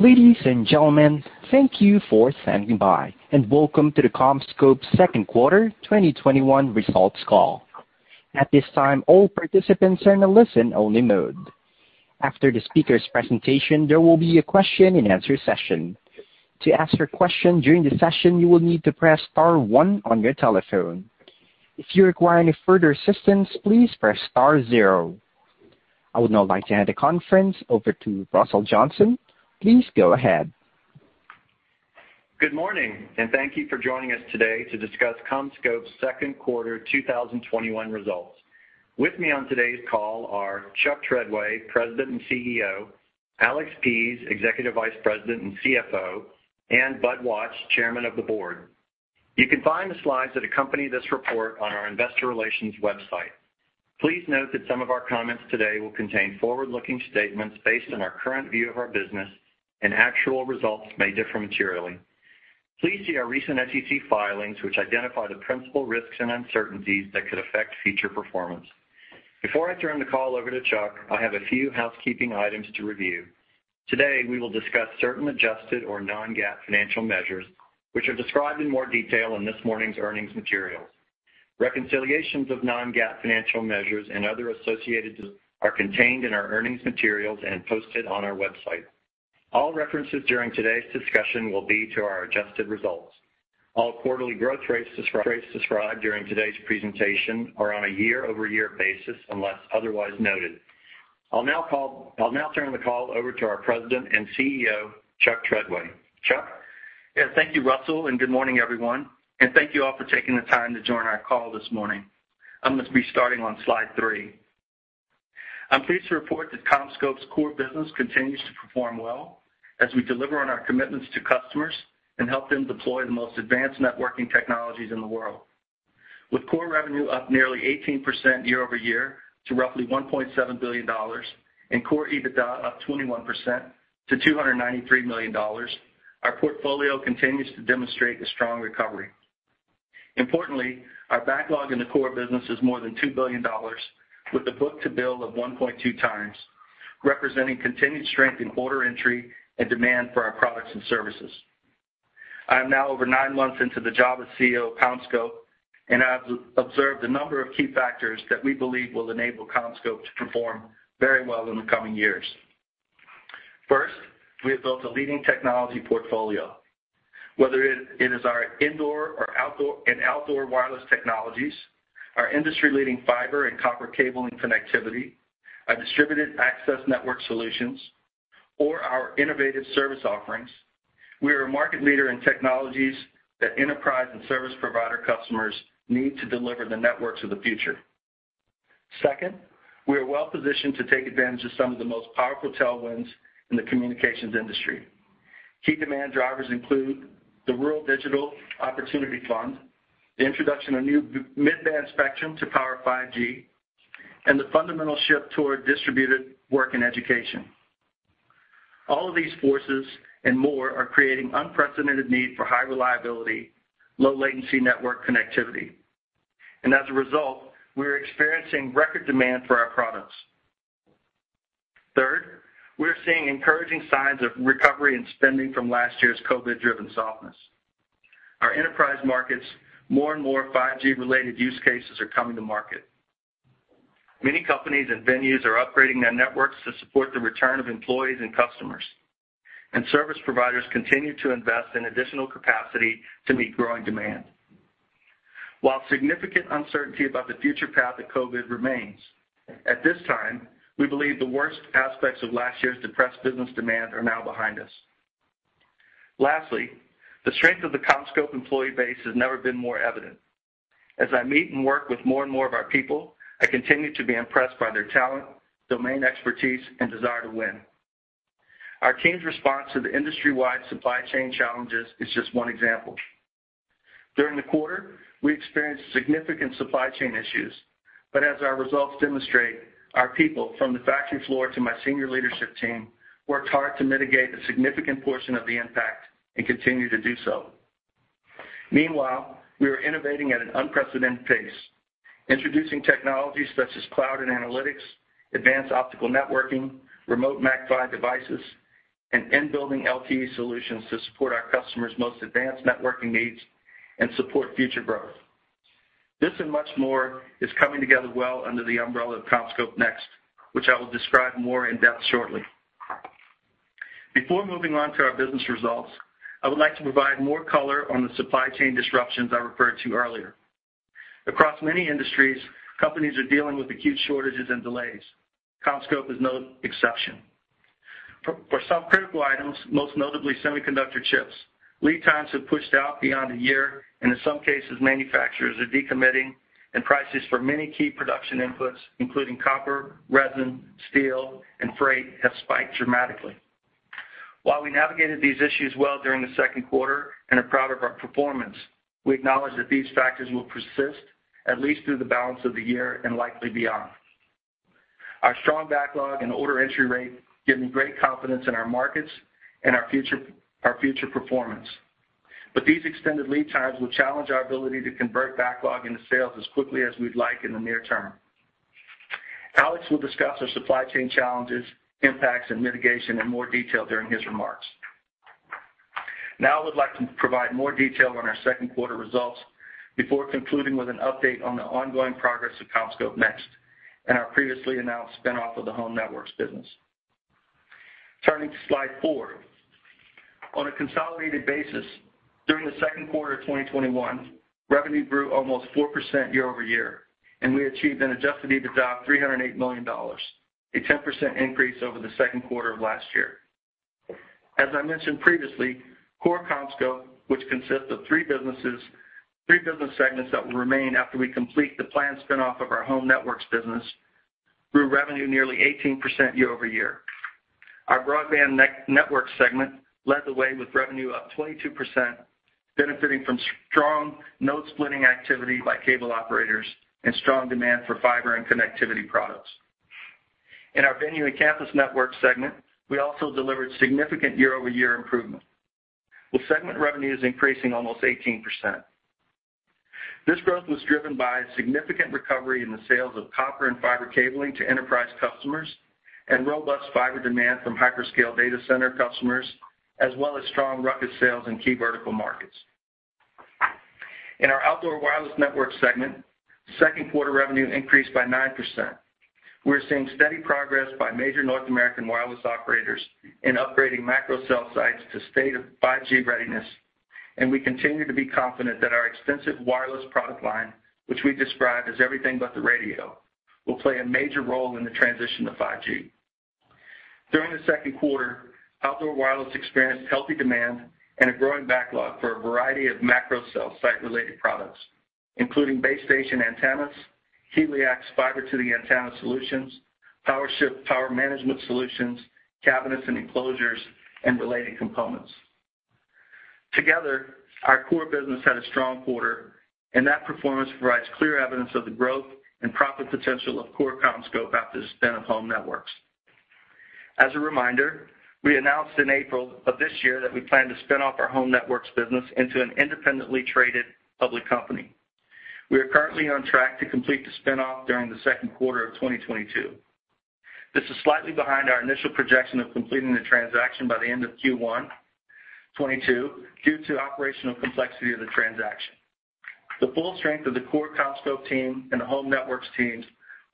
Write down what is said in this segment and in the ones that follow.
Ladies and gentlemen, thank you for standing by, welcome to the CommScope second quarter 2021 results call. At this time, all participants are in a listen-only mode. After the speaker's presentation, there will be a question and answer session. To ask your question during the session, you will need to press star one on your telephone. If you require any further assistance, please press star zero. I would now like to hand the conference over to Russell Johnson. Please go ahead. Good morning, thank you for joining us today to discuss CommScope's second quarter 2021 results. With me on today's call are Chuck Treadway, President and CEO, Alex Pease, Executive Vice President and CFO, and Bud Watts, Chairman of the Board. You can find the slides that accompany this report on our investor relations website. Please note that some of our comments today will contain forward-looking statements based on our current view of our business and actual results may differ materially. Please see our recent SEC filings, which identify the principal risks and uncertainties that could affect future performance. Before I turn the call over to Chuck, I have a few housekeeping items to review. Today, we will discuss certain adjusted or non-GAAP financial measures, which are described in more detail in this morning's earnings materials. Reconciliations of non-GAAP financial measures and other associated are contained in our earnings materials and posted on our website. All references during today's discussion will be to our adjusted results. All quarterly growth rates described during today's presentation are on a year-over-year basis, unless otherwise noted. I'll now turn the call over to our President and CEO, Chuck Treadway. Chuck? Yes, thank you, Russell, and good morning, everyone. Thank you all for taking the time to join our call this morning. I'm going to be starting on slide three. I'm pleased to report that CommScope's core business continues to perform well as we deliver on our commitments to customers and help them deploy the most advanced networking technologies in the world. With core revenue up nearly 18% year-over-year to roughly $1.7 billion, and core EBITDA up 21% to $293 million, our portfolio continues to demonstrate a strong recovery. Importantly, our backlog in the core business is more than $2 billion, with a book to bill of 1.2 times, representing continued strength in order entry and demand for our products and services. I am now over nine months into the job as CEO of CommScope. I've observed a number of key factors that we believe will enable CommScope to perform very well in the coming years. First, we have built a leading technology portfolio. Whether it is our indoor and outdoor wireless technologies, our industry-leading fiber and copper cabling connectivity, our distributed access network solutions, or our innovative service offerings, we are a market leader in technologies that enterprise and service provider customers need to deliver the networks of the future. Second, we are well positioned to take advantage of some of the most powerful tailwinds in the communications industry. Key demand drivers include the Rural Digital Opportunity Fund, the introduction of new mid-band spectrum to power 5G, and the fundamental shift toward distributed work and education. All of these forces and more are creating unprecedented need for high reliability, low latency network connectivity. As a result, we're experiencing record demand for our products. Third, we're seeing encouraging signs of recovery and spending from last year's COVID-driven softness. Our enterprise markets, more and more 5G related use cases are coming to market. Many companies and venues are upgrading their networks to support the return of employees and customers. Service providers continue to invest in additional capacity to meet growing demand. While significant uncertainty about the future path of COVID remains, at this time, we believe the worst aspects of last year's depressed business demand are now behind us. Lastly, the strength of the CommScope employee base has never been more evident. As I meet and work with more and more of our people, I continue to be impressed by their talent, domain expertise, and desire to win. Our team's response to the industry-wide supply chain challenges is just one example. During the quarter, we experienced significant supply chain issues. As our results demonstrate, our people from the factory floor to my senior leadership team, worked hard to mitigate a significant portion of the impact and continue to do so. Meanwhile, we are innovating at an unprecedented pace, introducing technologies such as cloud and analytics, advanced optical networking, Remote MACPHY devices, and in-building LTE solutions to support our customers' most advanced networking needs and support future growth. This and much more is coming together well under the umbrella of CommScope Next, which I will describe more in depth shortly. Before moving on to our business results, I would like to provide more color on the supply chain disruptions I referred to earlier. Across many industries, companies are dealing with acute shortages and delays. CommScope is no exception. For some critical items, most notably semiconductor chips, lead times have pushed out beyond a year. In some cases, manufacturers are decommitting. Prices for many key production inputs, including copper, resin, steel, and freight, have spiked dramatically. While we navigated these issues well during the second quarter and are proud of our performance, we acknowledge that these factors will persist at least through the balance of the year and likely beyond. Our strong backlog and order entry rate give me great confidence in our markets and our future performance. These extended lead times will challenge our ability to convert backlog into sales as quickly as we'd like in the near term. Alex will discuss our supply chain challenges, impacts, and mitigation in more detail during his remarks. Now, I would like to provide more detail on our second quarter results before concluding with an update on the ongoing progress of CommScope Next and our previously announced spin-off of the Home Networks business. Turning to slide four. On a consolidated basis, during the second quarter of 2021, revenue grew almost 4% year-over-year, and we achieved an adjusted EBITDA of $308 million, a 10% increase over the second quarter of last year. As I mentioned previously, core CommScope, which consists of three business segments that will remain after we complete the planned spin-off of our Home Networks business, grew revenue nearly 18% year-over-year. Our Broadband Networks segment led the way with revenue up 22%, benefiting from strong node splitting activity by cable operators and strong demand for fiber and connectivity products. In our Venue and Campus Networks segment, we also delivered significant year-over-year improvement, with segment revenues increasing almost 18%. This growth was driven by significant recovery in the sales of copper and fiber cabling to enterprise customers and robust fiber demand from hyperscale data center customers, as well as strong RUCKUS sales in key vertical markets. In our Outdoor Wireless Networks segment, second quarter revenue increased by 9%. We're seeing steady progress by major North American wireless operators in upgrading macro cell sites to state of 5G readiness, and we continue to be confident that our extensive wireless product line, which we describe as everything but the radio, will play a major role in the transition to 5G. During the second quarter, Outdoor Wireless experienced healthy demand and a growing backlog for a variety of macro cell site related products, including base station antennas, HELIAX fiber to the antenna solutions, PowerShift power management solutions, cabinets and enclosures, and related components. Together, our core business had a strong quarter, and that performance provides clear evidence of the growth and profit potential of core CommScope after the spin of Home Networks. As a reminder, we announced in April of this year that we plan to spin off our Home Networks business into an independently traded public company. We are currently on track to complete the spin-off during the second quarter of 2022. This is slightly behind our initial projection of completing the transaction by the end of Q1 2022 due to operational complexity of the transaction. The full strength of the core CommScope team and the Home Networks teams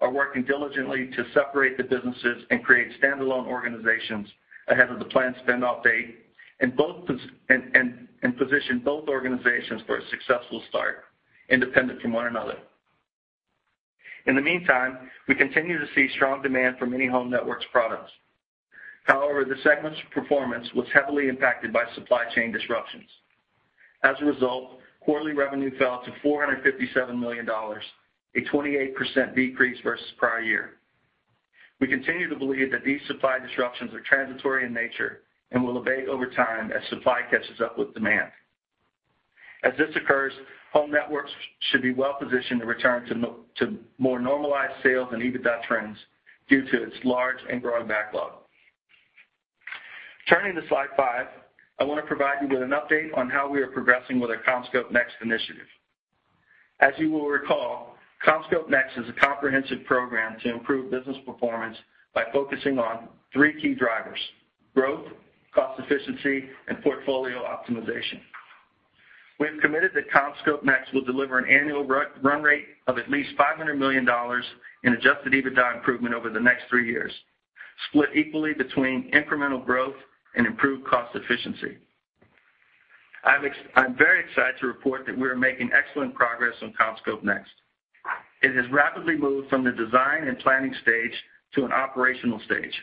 are working diligently to separate the businesses and create standalone organizations ahead of the planned spin-off date and position both organizations for a successful start, independent from one another. In the meantime, we continue to see strong demand for many Home Networks products. However, the segment's performance was heavily impacted by supply chain disruptions. As a result, quarterly revenue fell to $457 million, a 28% decrease versus prior year. We continue to believe that these supply disruptions are transitory in nature and will abate over time as supply catches up with demand. As this occurs, Home Networks should be well positioned to return to more normalized sales and EBITDA trends due to its large and growing backlog. Turning to slide five, I want to provide you with an update on how we are progressing with our CommScope Next initiative. As you will recall, CommScope Next is a comprehensive program to improve business performance by focusing on three key drivers, growth, cost efficiency, and portfolio optimization. We have committed that CommScope Next will deliver an annual run rate of at least $500 million in adjusted EBITDA improvement over the next three years, split equally between incremental growth and improved cost efficiency. I'm very excited to report that we are making excellent progress on CommScope Next. It has rapidly moved from the design and planning stage to an operational stage,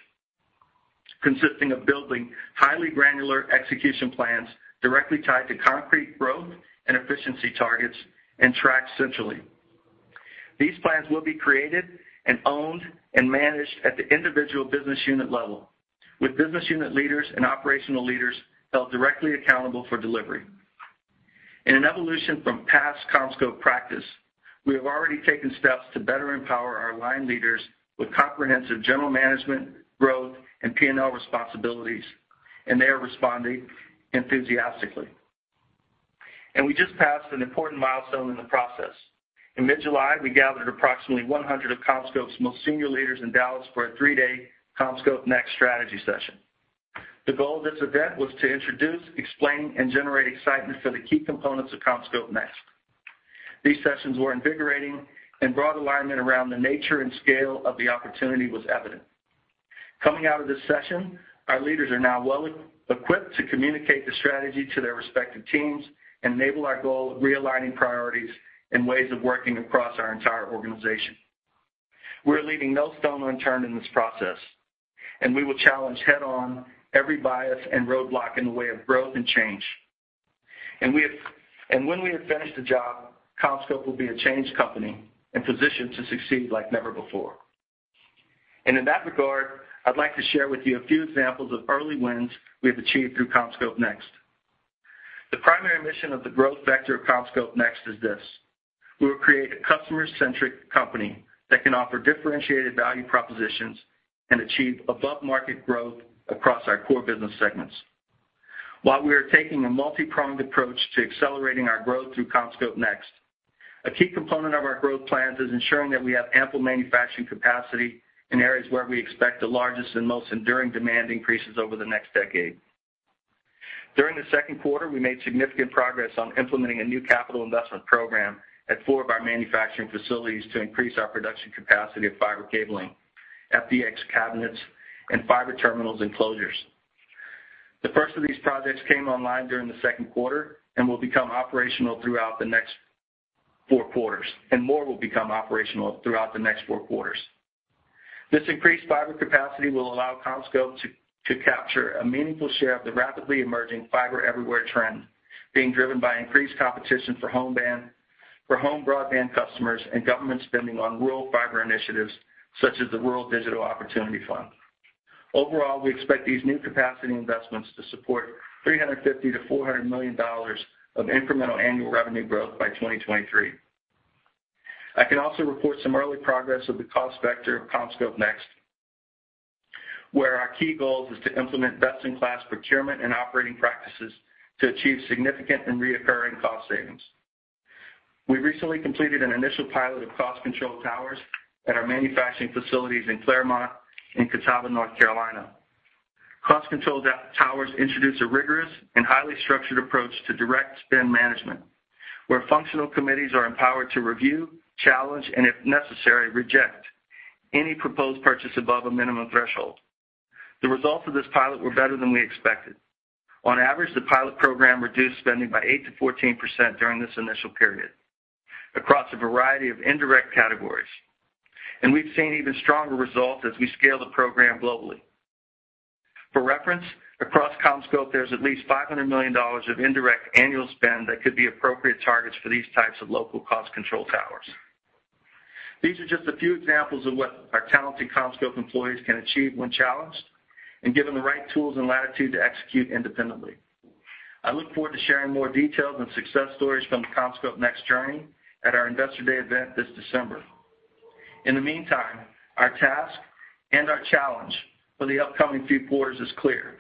consisting of building highly granular execution plans directly tied to concrete growth and efficiency targets, and tracked centrally. These plans will be created and owned and managed at the individual business unit level, with business unit leaders and operational leaders held directly accountable for delivery. In an evolution from past CommScope practice, we have already taken steps to better empower our line leaders with comprehensive general management, growth and P&L responsibilities, and they are responding enthusiastically. We just passed an important milestone in the process. In mid-July, we gathered approximately 100 of CommScope's most senior leaders in Dallas for a three-day CommScope Next strategy session. The goal of this event was to introduce, explain, and generate excitement for the key components of CommScope Next. These sessions were invigorating and broad alignment around the nature and scale of the opportunity was evident. Coming out of this session, our leaders are now well equipped to communicate the strategy to their respective teams and enable our goal of realigning priorities and ways of working across our entire organization. We're leaving no stone unturned in this process, and we will challenge head-on every bias and roadblock in the way of growth and change. When we have finished the job, CommScope will be a changed company and positioned to succeed like never before. In that regard, I'd like to share with you a few examples of early wins we have achieved through CommScope Next. The primary mission of the growth vector of CommScope Next is this: We will create a customer-centric company that can offer differentiated value propositions and achieve above-market growth across our core business segments. While we are taking a multipronged approach to accelerating our growth through CommScope Next, a key component of our growth plans is ensuring that we have ample manufacturing capacity in areas where we expect the largest and most enduring demand increases over the next decade. During the second quarter, we made significant progress on implementing a new capital investment program at four of our manufacturing facilities to increase our production capacity of fiber cabling, FDX cabinets, and fiber terminals enclosures. The first of these projects came online during the second quarter and will become operational throughout the next four quarters. More will become operational throughout the next four quarters. This increased fiber capacity will allow CommScope to capture a meaningful share of the rapidly emerging fiber everywhere trend being driven by increased competition for home broadband customers and government spending on rural fiber initiatives such as the Rural Digital Opportunity Fund. Overall, we expect these new capacity investments to support $350 million-$400 million of incremental annual revenue growth by 2023. I can also report some early progress of the cost vector of CommScope Next, where our key goal is to implement best-in-class procurement and operating practices to achieve significant and reoccurring cost savings. We recently completed an initial pilot of cost control towers at our manufacturing facilities in Claremont and Catawba, North Carolina. Cost control towers introduce a rigorous and highly structured approach to direct spend management, where functional committees are empowered to review, challenge, and if necessary, reject any proposed purchase above a minimum threshold. The results of this pilot were better than we expected. On average, the pilot program reduced spending by 8%-14% during this initial period across a variety of indirect categories, and we've seen even stronger results as we scale the program globally. For reference, across CommScope, there's at least $500 million of indirect annual spend that could be appropriate targets for these types of local cost control towers. These are just a few examples of what our talented CommScope employees can achieve when challenged and given the right tools and latitude to execute independently. I look forward to sharing more details on success stories from the CommScope Next journey at our Investor Day event this December. In the meantime, our task and our challenge for the upcoming few quarters is clear.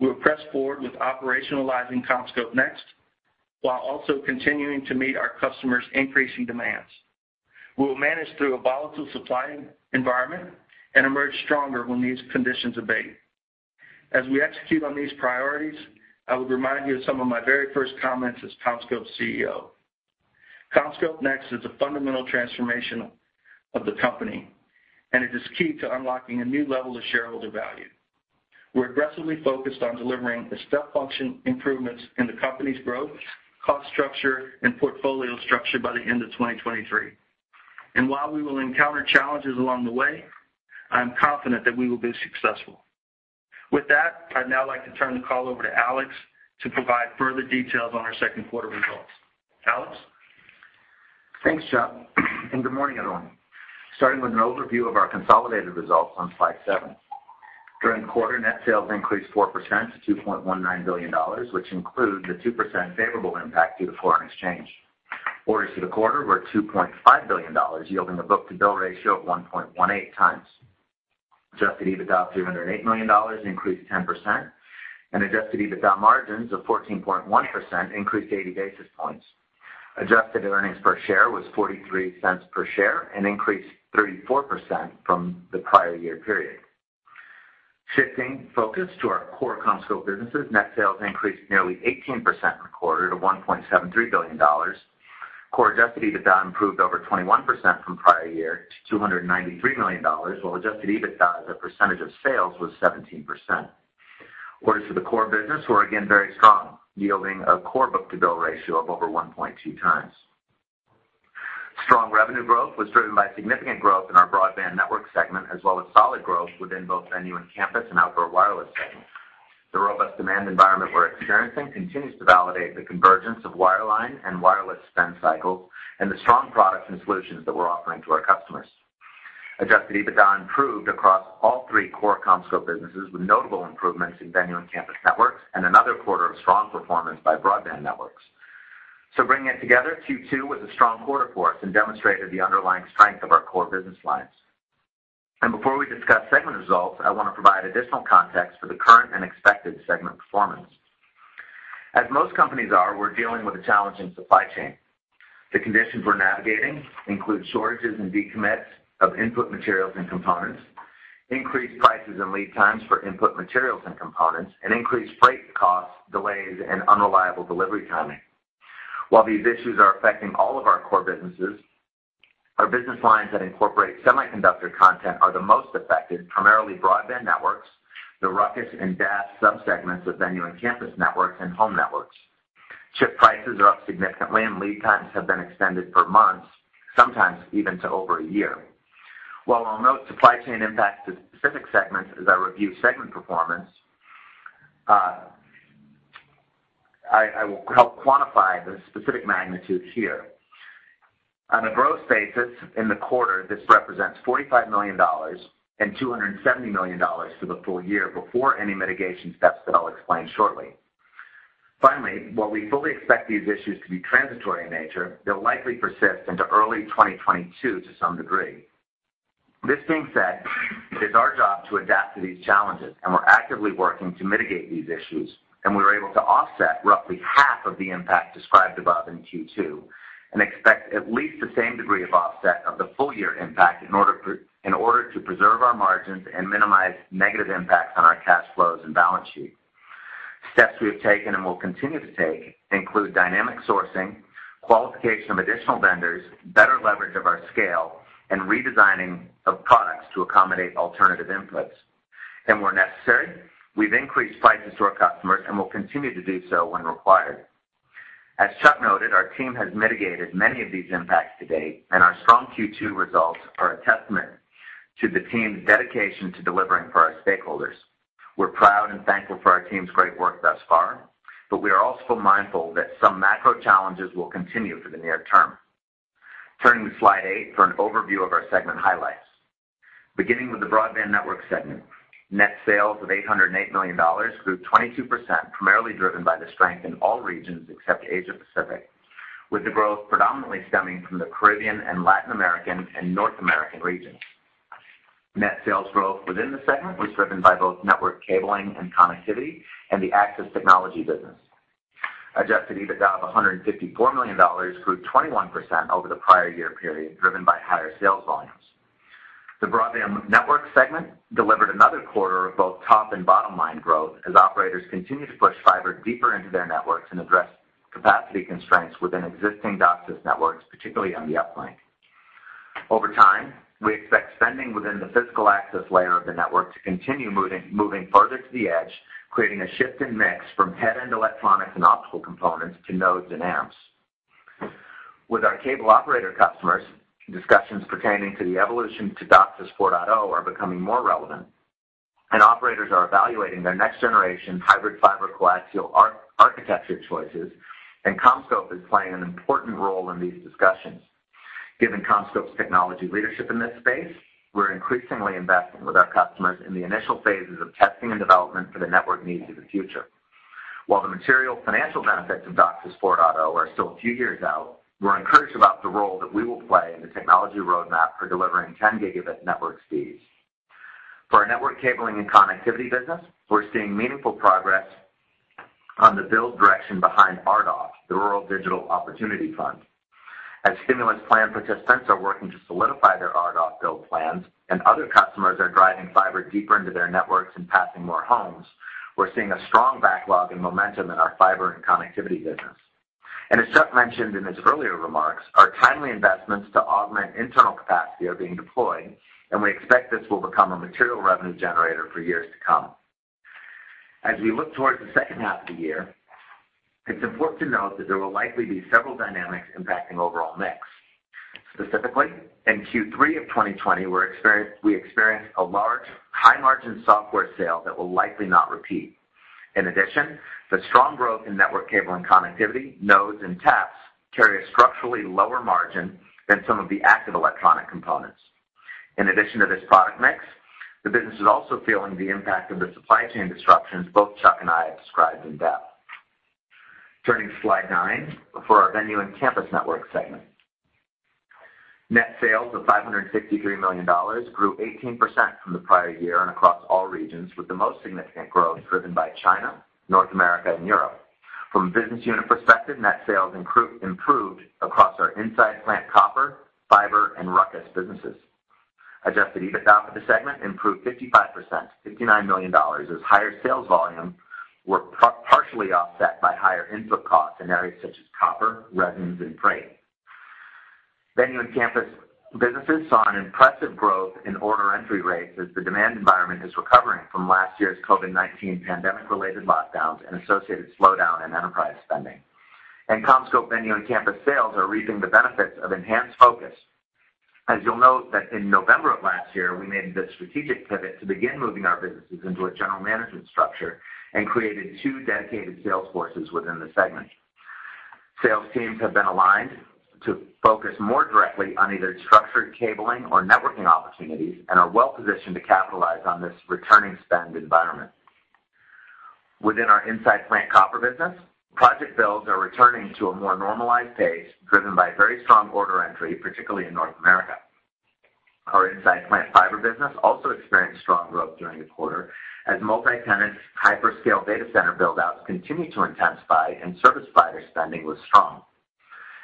We will press forward with operationalizing CommScope Next, while also continuing to meet our customers' increasing demands. We will manage through a volatile supply environment and emerge stronger when these conditions abate. As we execute on these priorities, I would remind you of some of my very first comments as CommScope's CEO. CommScope Next is a fundamental transformation of the company, and it is key to unlocking a new level of shareholder value. We're aggressively focused on delivering the step function improvements in the company's growth, cost structure, and portfolio structure by the end of 2023. While we will encounter challenges along the way, I'm confident that we will be successful. With that, I'd now like to turn the call over to Alex to provide further details on our second quarter results. Alex? Thanks, Chuck, and good morning, everyone. Starting with an overview of our consolidated results on slide seven. During the quarter, net sales increased 4% to $2.19 billion, which includes a 2% favorable impact due to foreign exchange. Orders for the quarter were $2.5 billion, yielding a book-to-bill ratio of 1.18 times. Adjusted EBITDA of $308 million increased 10%, and adjusted EBITDA margins of 14.1% increased 80 basis points. Adjusted earnings per share was $0.43 per share and increased 34% from the prior year period. Shifting focus to our core CommScope businesses, net sales increased nearly 18% quarter to $1.73 billion. Core adjusted EBITDA improved over 21% from prior year to $293 million, while adjusted EBITDA as a percentage of sales was 17%. Orders for the core business were again very strong, yielding a core book-to-bill ratio of over 1.2 times. Strong revenue growth was driven by significant growth in our Broadband Networks segment as well as solid growth within both Venue and Campus Networks and Outdoor Wireless Networks segments. The robust demand environment we're experiencing continues to validate the convergence of wireline and wireless spend cycles and the strong products and solutions that we're offering to our customers. Adjusted EBITDA improved across all three core CommScope businesses with notable improvements in Venue and Campus Networks and another quarter of strong performance by Broadband Networks. Bringing it together, Q2 was a strong quarter for us and demonstrated the underlying strength of our core business lines. Before we discuss segment results, I want to provide additional context for the current and expected segment performance. As most companies are, we're dealing with a challenging supply chain. The conditions we're navigating include shortages and decommits of input materials and components, increased prices and lead times for input materials and components, and increased freight costs, delays, and unreliable delivery timing. While these issues are affecting all of our core businesses, our business lines that incorporate semiconductor content are the most affected, primarily Broadband Networks, the RUCKUS and DAS subsegments of Venue and Campus Networks, and Home Networks. Chip prices are up significantly, and lead times have been extended for months, sometimes even to over a year. While I'll note supply chain impacts to specific segments as I review segment performance, I will help quantify the specific magnitudes here. On a gross basis in the quarter, this represents $45 million and $270 million for the full year before any mitigation steps that I'll explain shortly. Finally, while we fully expect these issues to be transitory in nature, they'll likely persist into early 2022 to some degree. This being said, it is our job to adapt to these challenges, and we're actively working to mitigate these issues, and we were able to offset roughly half of the impact described above in Q2 and expect at least the same degree of offset of the full-year impact in order to preserve our margins and minimize negative impacts on our cash flows and balance sheet. Steps we have taken and will continue to take include dynamic sourcing, qualification of additional vendors, better leverage of our scale, and redesigning of products to accommodate alternative inputs. Where necessary, we've increased price to store customers and will continue to do so when required. As Chuck noted, our team has mitigated many of these impacts to date, and our strong Q2 results are a testament to the team's dedication to delivering for our stakeholders. We're proud and thankful for our team's great work thus far, but we are also mindful that some macro challenges will continue for the near term. Turning to slide eight for an overview of our segment highlights. Beginning with the Broadband Networks segment, net sales of $808 million grew 22%, primarily driven by the strength in all regions except Asia Pacific, with the growth predominantly stemming from the Caribbean and Latin American and North American regions. Net sales growth within the segment was driven by both network cabling and connectivity and the access technology business. Adjusted EBITDA of $154 million grew 21% over the prior year period, driven by higher sales volumes. The Broadband Networks segment delivered another quarter of both top and bottom-line growth as operators continue to push fiber deeper into their networks and address capacity constraints within existing DOCSIS networks, particularly on the uplink. Over time, we expect spending within the physical access layer of the network to continue moving further to the edge, creating a shift in mix from head-end electronics and optical components to nodes and amps. With our cable operator customers, discussions pertaining to the evolution to DOCSIS 4.0 are becoming more relevant and operators are evaluating their next generation hybrid fiber coaxial architecture choices. CommScope is playing an important role in these discussions. Given CommScope's technology leadership in this space, we're increasingly investing with our customers in the initial phases of testing and development for the network needs of the future. While the material financial benefits of DOCSIS 4.0 are still a few years out, we're encouraged about the role that we will play in the technology roadmap for delivering 10 gigabit network speeds. For our network cabling and connectivity business, we're seeing meaningful progress on the build direction behind RDOF, the Rural Digital Opportunity Fund. As stimulus plan participants are working to solidify their RDOF build plans and other customers are driving fiber deeper into their networks and passing more homes, we're seeing a strong backlog and momentum in our fiber and connectivity business. As Chuck mentioned in his earlier remarks, our timely investments to augment internal capacity are being deployed, and we expect this will become a material revenue generator for years to come. As we look towards the second half of the year, it's important to note that there will likely be several dynamics impacting overall mix. Specifically, in Q3 of 2020, we experienced a high-margin software sale that will likely not repeat. The strong growth in network cable and connectivity, nodes, and taps carry a structurally lower margin than some of the active electronic components. To this product mix, the business is also feeling the impact of the supply chain disruptions both Chuck and I have described in depth. Turning to slide nine for our Venue and Campus Networks segment. Net sales of $563 million grew 18% from the prior year and across all regions, with the most significant growth driven by China, North America, and Europe. From a business unit perspective, net sales improved across our inside plant copper, fiber, and RUCKUS businesses. Adjusted EBITDA for the segment improved 55% to $59 million as higher sales volume were partially offset by higher input costs in areas such as copper, resins, and freight. Venue and Campus businesses saw an impressive growth in order entry rates as the demand environment is recovering from last year's COVID-19 pandemic related lockdowns and associated slowdown in enterprise spending. CommScope Venue and Campus sales are reaping the benefits of enhanced focus. As you'll note that in November of last year, we made the strategic pivot to begin moving our businesses into a general management structure and created two dedicated sales forces within the segment. Sales teams have been aligned to focus more directly on either structured cabling or networking opportunities and are well-positioned to capitalize on this returning spend environment. Within our inside plant copper business, project builds are returning to a more normalized pace driven by very strong order entry, particularly in North America. Our inside plant fiber business also experienced strong growth during the quarter as multi-tenant hyperscale data center build-outs continue to intensify and service provider spending was strong.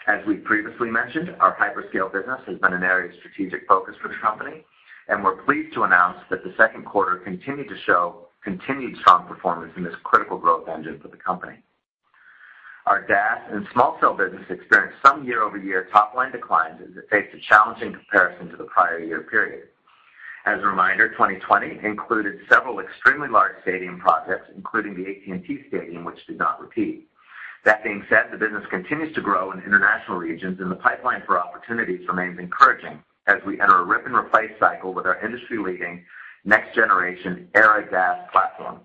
As we previously mentioned, our hyperscale business has been an area of strategic focus for the company, and we're pleased to announce that the second quarter continued to show continued strong performance in this critical growth engine for the company. Our DAS and small cell business experienced some year-over-year top-line declines as it faced a challenging comparison to the prior year period. As a reminder, 2020 included several extremely large stadium projects, including the AT&T Stadium, which did not repeat. That being said, the business continues to grow in international regions and the pipeline for opportunities remains encouraging as we enter a rip and replace cycle with our industry-leading next generation ERA DAS platform.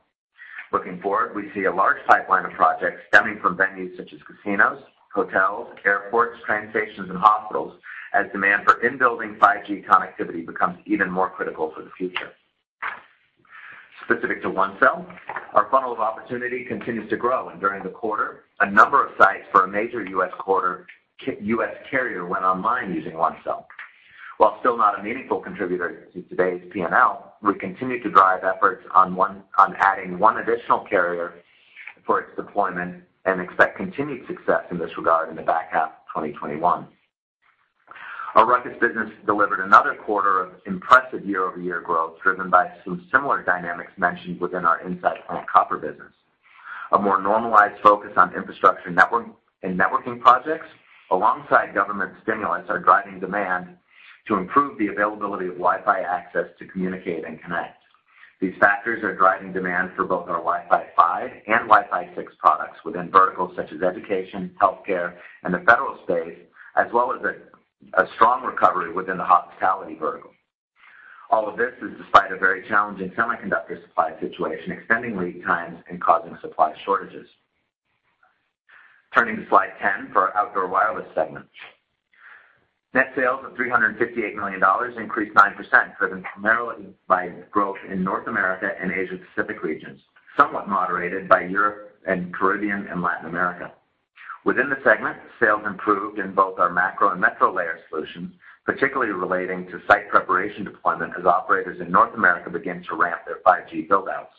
Looking forward, we see a large pipeline of projects stemming from venues such as casinos, hotels, airports, train stations, and hospitals as demand for in-building 5G connectivity becomes even more critical for the future. Specific to OneCell, our funnel of opportunity continues to grow. During the quarter, a number of sites for a major U.S. carrier went online using OneCell. While still not a meaningful contributor to today's P&L, we continue to drive efforts on adding one additional carrier for its deployment and expect continued success in this regard in the back half of 2021. Our RUCKUS business delivered another quarter of impressive year-over-year growth, driven by some similar dynamics mentioned within our inside plant copper business. A more normalized focus on infrastructure network and networking projects alongside government stimulants are driving demand to improve the availability of Wi-Fi access to communicate and connect. These factors are driving demand for both our Wi-Fi 5 and Wi-Fi 6 products within verticals such as education, healthcare, and the federal space, as well as a strong recovery within the hospitality vertical. All of this is despite a very challenging semiconductor supply situation, extending lead times and causing supply shortages. Turning to slide 10 for our Outdoor Wireless segment. Net sales of $358 million increased 9%, driven primarily by growth in North America and Asia Pacific regions, somewhat moderated by Europe and Caribbean and Latin America. Within the segment, sales improved in both our macro and metro layer solutions, particularly relating to site preparation deployment as operators in North America begin to ramp their 5G build-outs.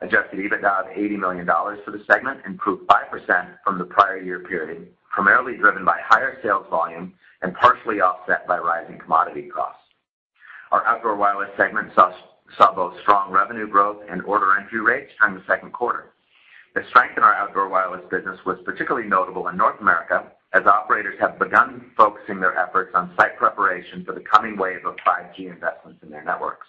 Adjusted EBITDA of $80 million for the segment improved 5% from the prior year period, primarily driven by higher sales volume and partially offset by rising commodity costs. Our Outdoor Wireless segment saw both strong revenue growth and order entry rates during the second quarter. The strength in our outdoor wireless business was particularly notable in North America, as operators have begun focusing their efforts on site preparation for the coming wave of 5G investments in their networks.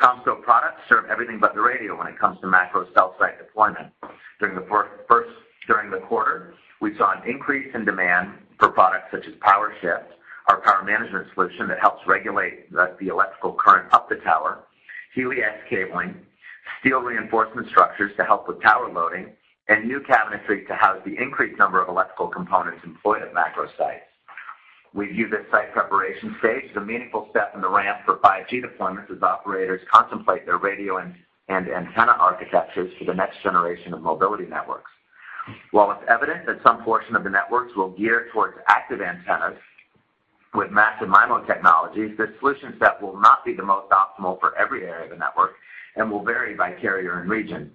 CommScope products serve everything but the radio when it comes to macro cell site deployment. During the quarter, we saw an increase in demand for products such as PowerShift, our power management solution that helps regulate the electrical current up the tower, HELIAX cabling, steel reinforcement structures to help with tower loading, and new cabinetry to house the increased number of electrical components employed at macro sites. We view this site preparation stage as a meaningful step in the ramp for 5G deployment as operators contemplate their radio and antenna architectures for the next generation of mobility networks. While it's evident that some portion of the networks will gear towards active antennas with massive MIMO technologies, this solution set will not be the most optimal for every area of the network and will vary by carrier and region.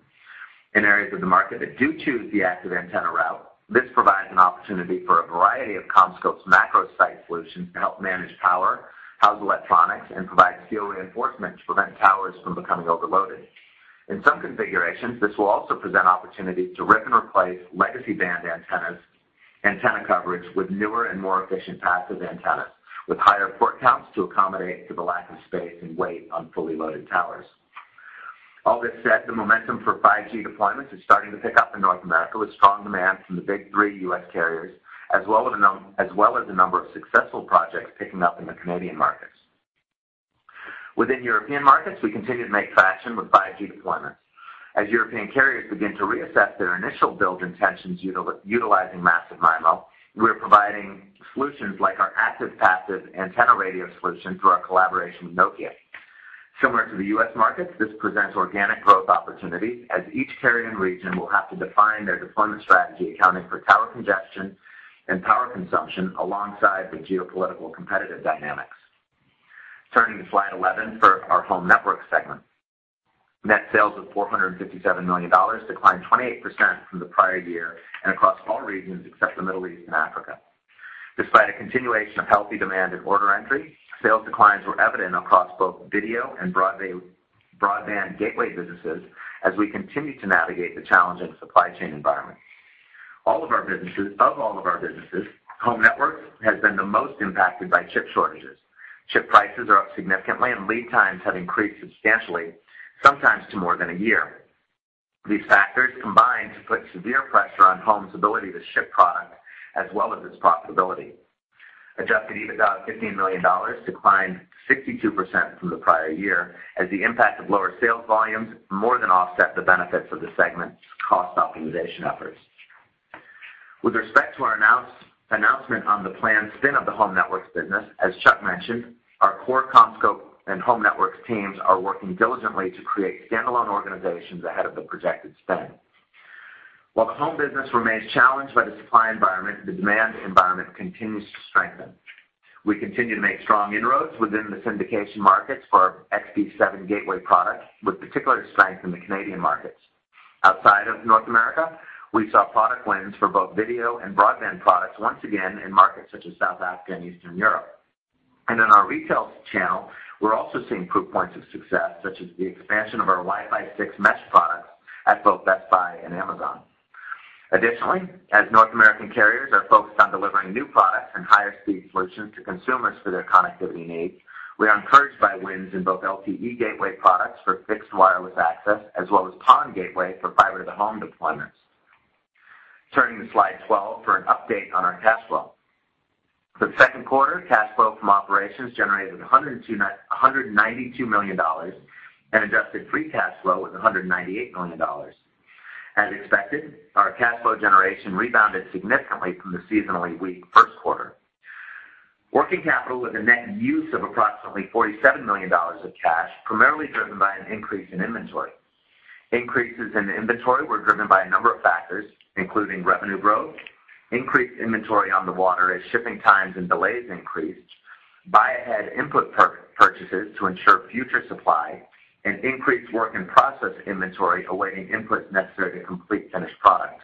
In areas of the market that do choose the active antenna route, this provides an opportunity for a variety of CommScope's macro site solutions to help manage power, house electronics, and provide steel reinforcement to prevent towers from becoming overloaded. In some configurations, this will also present opportunities to rip and replace legacy band antenna coverage with newer and more efficient passive antennas with higher port counts to accommodate for the lack of space and weight on fully loaded towers. All this said, the momentum for 5G deployments is starting to pick up in North America, with strong demand from the big three U.S. carriers, as well as a number of successful projects picking up in the Canadian markets. Within European markets, we continue to make traction with 5G deployments. As European carriers begin to reassess their initial build intentions utilizing massive MIMO, we're providing solutions like our active-passive antenna radio solution through our collaboration with Nokia. Similar to the U.S. markets, this presents organic growth opportunities as each carrier and region will have to define their deployment strategy, accounting for tower congestion and power consumption alongside the geopolitical competitive dynamics. Turning to slide 11 for our Home Networks segment. Net sales of $457 million declined 28% from the prior year and across all regions except the Middle East and Africa. Despite a continuation of healthy demand in order entry, sales declines were evident across both video and broadband gateway businesses as we continue to navigate the challenging supply chain environment. Of all of our businesses, Home Networks has been the most impacted by chip shortages. Chip prices are up significantly, and lead times have increased substantially, sometimes to more than a year. These factors combine to put severe pressure on Home's ability to ship product as well as its profitability. Adjusted EBITDA of $15 million declined 62% from the prior year as the impact of lower sales volumes more than offset the benefits of the segment's cost optimization efforts. With respect to our announcement on the planned spin of the Home Networks business, as Chuck mentioned, our core CommScope and Home Networks teams are working diligently to create standalone organizations ahead of the projected spin. While the Home business remains challenged by the supply environment, the demand environment continues to strengthen. We continue to make strong inroads within the syndication markets for our XB7 gateway product, with particular strength in the Canadian markets. Outside of North America, we saw product wins for both video and broadband products once again in markets such as South Africa and Eastern Europe. In our retail channel, we are also seeing proof points of success, such as the expansion of our Wi-Fi 6 Mesh products at both Best Buy and Amazon. Additionally, as North American carriers are focused on delivering new products and higher-speed solutions to consumers for their connectivity needs, we are encouraged by wins in both LTE gateway products for fixed wireless access, as well as PON gateway for fiber to the home deployments. Turning to slide 12 for an update on our cash flow. For the second quarter, cash flow from operations generated $192 million and adjusted free cash flow was $198 million. As expected, our cash flow generation rebounded significantly from the seasonally weak first quarter. Working capital with a net use of approximately $47 million of cash, primarily driven by an increase in inventory. Increases in inventory were driven by a number of factors, including revenue growth, increased inventory on the water as shipping times and delays increased, buy ahead input purchases to ensure future supply, increased work in process inventory awaiting inputs necessary to complete finished product.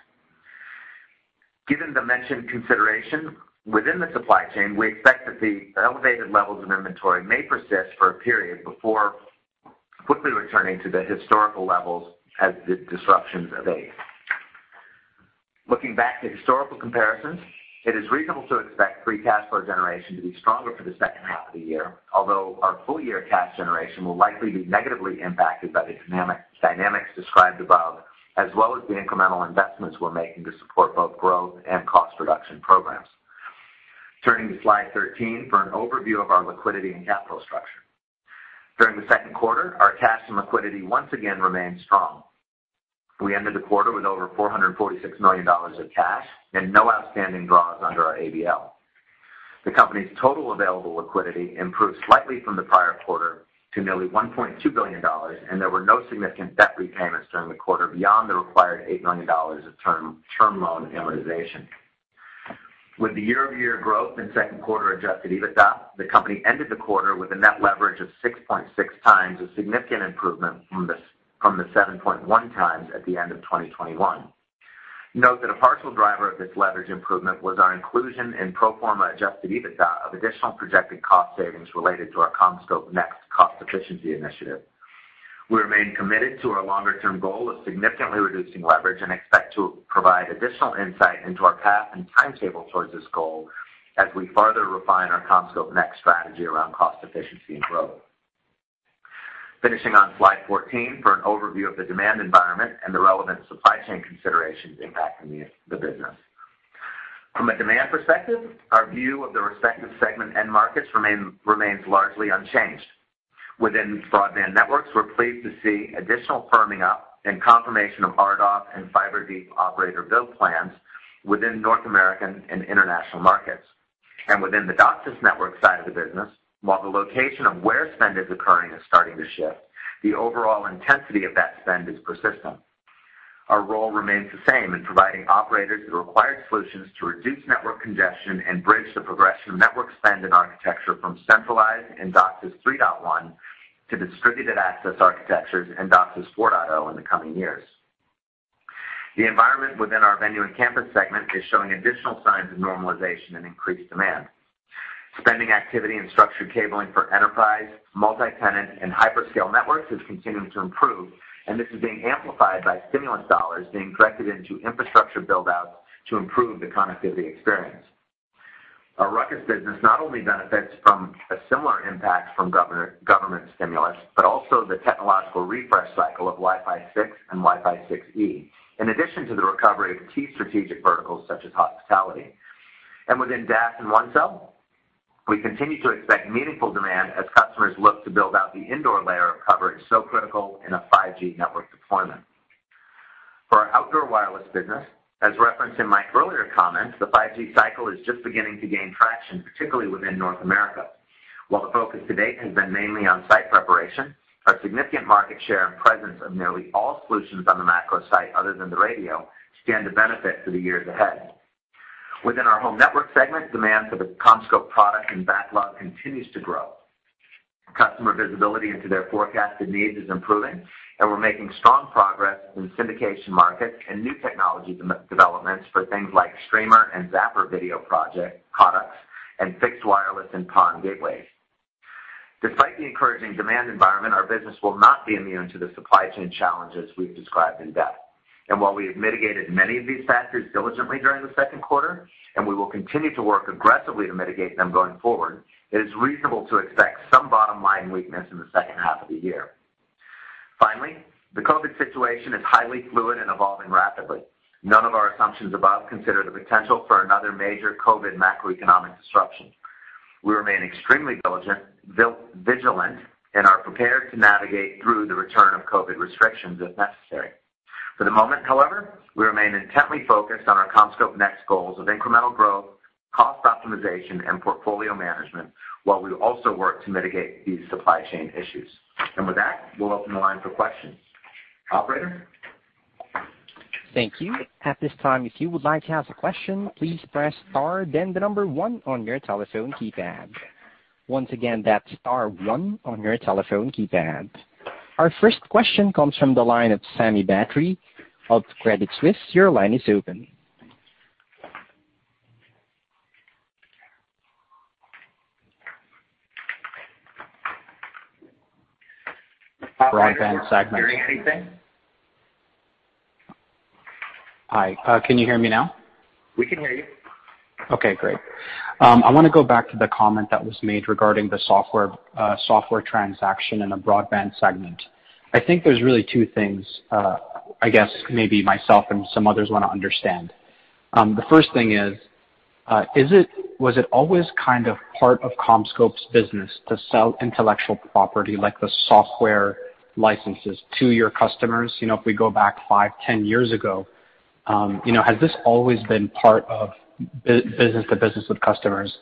Given the mentioned consideration within the supply chain, we expect that the elevated levels of inventory may persist for a period before quickly returning to the historical levels as the disruptions abate. Looking back to historical comparisons, it is reasonable to expect free cash flow generation to be stronger for the second half of the year, although our full-year cash generation will likely be negatively impacted by the dynamics described above, as well as the incremental investments we are making to support both growth and cost reduction programs. Turning to slide 13 for an overview of our liquidity and capital structure. During the second quarter, our cash and liquidity once again remained strong. We ended the quarter with over $446 million of cash and no outstanding draws under our ABL. The company's total available liquidity improved slightly from the prior quarter to nearly $1.2 billion. There were no significant debt repayments during the quarter beyond the required $8 million of term loan amortization. With the year-over-year growth in second quarter adjusted EBITDA, the company ended the quarter with a net leverage of 6.6 times, a significant improvement from the 7.1 times at the end of 2021. Note that a partial driver of this leverage improvement was our inclusion in pro forma adjusted EBITDA of additional projected cost savings related to our CommScope Next cost efficiency initiative. We remain committed to our longer-term goal of significantly reducing leverage and expect to provide additional insight into our path and timetable towards this goal as we further refine our CommScope Next strategy around cost efficiency and growth. Finishing on slide 14 for an overview of the demand environment and the relevant supply chain considerations impacting the business. From a demand perspective, our view of the respective segment end markets remains largely unchanged. Within Broadband Networks, we're pleased to see additional firming up and confirmation of RDOF and fiber deep operator build plans within North American and international markets. Within the DOCSIS network side of the business, while the location of where spend is occurring is starting to shift, the overall intensity of that spend is persistent. Our role remains the same in providing operators the required solutions to reduce network congestion and bridge the progression of network spend and architecture from centralized and DOCSIS 3.1 to distributed access architectures and DOCSIS 4.0 in the coming years. The environment within our Venue and Campus Networks segment is showing additional signs of normalization and increased demand. Spending activity and structured cabling for enterprise, multi-tenant, and hyperscale networks is continuing to improve. This is being amplified by stimulus dollars being directed into infrastructure build-outs to improve the connectivity experience. Our RUCKUS business not only benefits from a similar impact from government stimulus, also the technological refresh cycle of Wi-Fi 6 and Wi-Fi 6E, in addition to the recovery of key strategic verticals such as hospitality. Within DAS and OneCell, we continue to expect meaningful demand as customers look to build out the indoor layer of coverage so critical in a 5G network deployment. For our Outdoor Wireless Networks business, as referenced in my earlier comments, the 5G cycle is just beginning to gain traction, particularly within North America. The focus to date has been mainly on site preparation, our significant market share and presence of nearly all solutions on the macro site other than the radio stand to benefit for the years ahead. Within our Home Networks segment, demand for the CommScope product and backlog continues to grow. Customer visibility into their forecasted needs is improving. We're making strong progress in syndication markets and new technology developments for things like Streamer and Zappar video project products and fixed wireless and PON gateways. Despite the encouraging demand environment, our business will not be immune to the supply chain challenges we've described in depth. While we have mitigated many of these factors diligently during the second quarter, we will continue to work aggressively to mitigate them going forward, it is reasonable to expect some bottom-line weakness in the second half of the year. Finally, the COVID situation is highly fluid and evolving rapidly. None of our assumptions above consider the potential for another major COVID macroeconomic disruption. We remain extremely vigilant and are prepared to navigate through the return of COVID restrictions if necessary. For the moment, however, we remain intently focused on our CommScope Next goals of incremental growth, cost optimization, and portfolio management, while we also work to mitigate these supply chain issues. With that, we'll open the line for questions. Operator? Thank you. At this time, if you would like to ask a question, please press star then the number 1 on your telephone keypad. Once again, that's star 1 on your telephone keypad. Our first question comes from the line of Samik Chatterjee of J.P. Morgan. Your line is open. Broadband segment. Operator, are you hearing anything? Hi. Can you hear me now? We can hear you. Okay, great. I want to go back to the comment that was made regarding the software transaction in the Broadband Networks segment. I think there's really two things, I guess maybe myself and some others want to understand. The first thing is, was it always part of CommScope's business to sell intellectual property like the software licenses to your customers? If we go back five, 10 years ago, has this always been part of business to business with customers?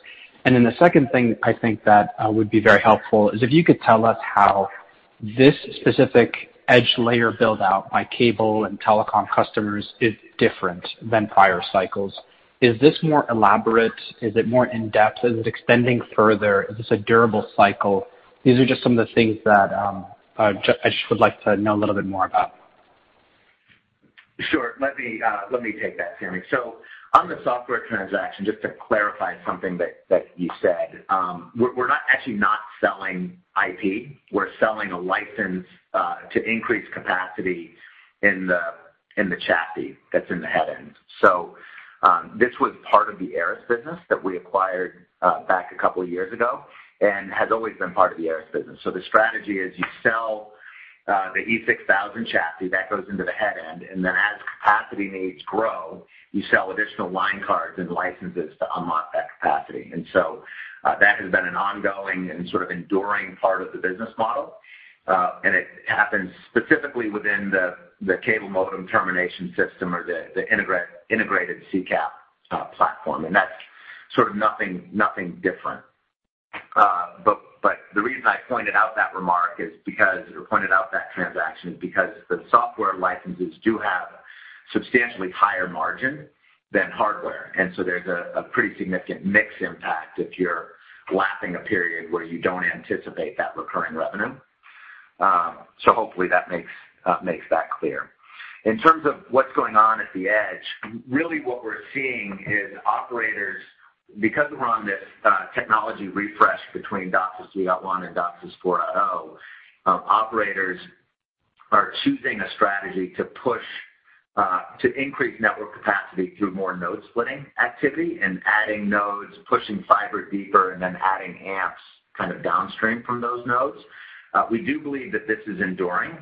The second thing I think that would be very helpful is if you could tell us how this specific edge layer build out by cable and telecom customers is different than prior cycles. Is this more elaborate? Is it more in-depth? Is it extending further? Is this a durable cycle? These are just some of the things that I just would like to know a little bit more about. Sure. Let me take that, Sammy. On the software transaction, just to clarify something that you said. We're not actually not selling IP. We're selling a license to increase capacity in the chassis that's in the headend. This was part of the ARRIS business that we acquired back a couple of years ago and has always been part of the ARRIS business. The strategy is you sell the E6000 chassis that goes into the headend, and then as capacity needs grow, you sell additional line cards and licenses to unlock that capacity. That has been an ongoing and sort of enduring part of the business model. It happens specifically within the cable modem termination system or the integrated CCAP platform. That's sort of nothing different. The reason I pointed out that remark is because, or pointed out that transaction, is because the software licenses do have substantially higher margin than hardware. There's a pretty significant mix impact if you're lapping a period where you don't anticipate that recurring revenue. Hopefully that makes that clear. In terms of what's going on at the edge, really what we're seeing is operators, because we're on this technology refresh between DOCSIS 3.1 and DOCSIS 4.0, operators are choosing a strategy to increase network capacity through more node splitting activity and adding nodes, pushing fiber deeper, and then adding amps kind of downstream from those nodes. We do believe that this is enduring,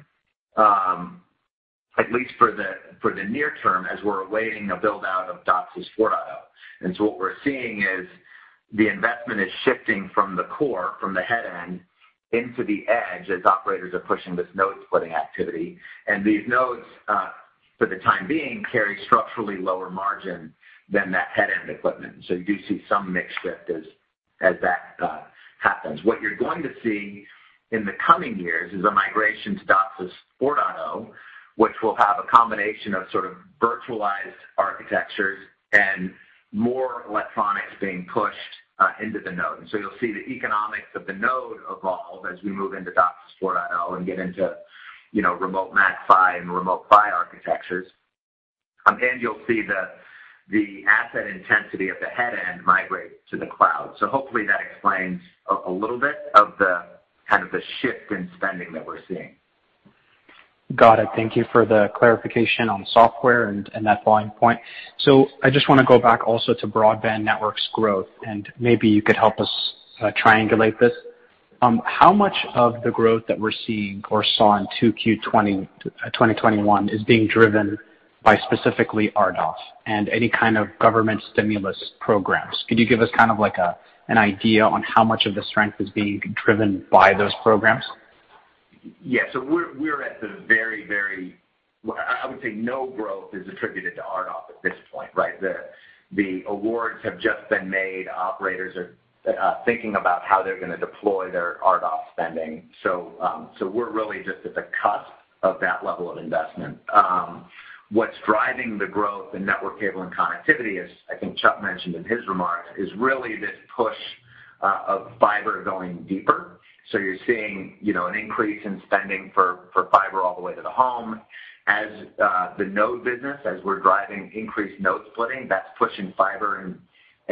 at least for the near term as we're awaiting a build-out of DOCSIS 4.0. What we're seeing is the investment is shifting from the core, from the headend into the edge as operators are pushing this node splitting activity. These nodes, for the time being, carry structurally lower margin than that headend equipment. You do see some mix shift as that happens. What you're going to see in the coming years is a migration to DOCSIS 4.0, which will have a combination of sort of virtualized architectures and more electronics being pushed into the node. You'll see the economics of the node evolve as we move into DOCSIS 4.0 and get into Remote MACPHY and Remote PHY architectures. You'll see the asset intensity of the headend migrate to the cloud. Hopefully that explains a little bit of the kind of the shift in spending that we're seeing. Got it. Thank you for the clarification on software and that volume point. I just want to go back also to Broadband Networks growth, and maybe you could help us triangulate this. How much of the growth that we're seeing or saw in 2Q 2021 is being driven by specifically RDOF and any kind of government stimulus programs? Could you give us kind of like an idea on how much of the strength is being driven by those programs? Yeah. We're at the very, I would say no growth is attributed to RDOF at this point, right? The awards have just been made. Operators are thinking about how they're going to deploy their RDOF spending. We're really just at the cusp of that level of investment. What's driving the growth in network cable and connectivity is, I think Chuck mentioned in his remarks, is really this push of fiber going deeper. You're seeing an increase in spending for fiber all the way to the home. As the node business, as we're driving increased node splitting, that's pushing fiber and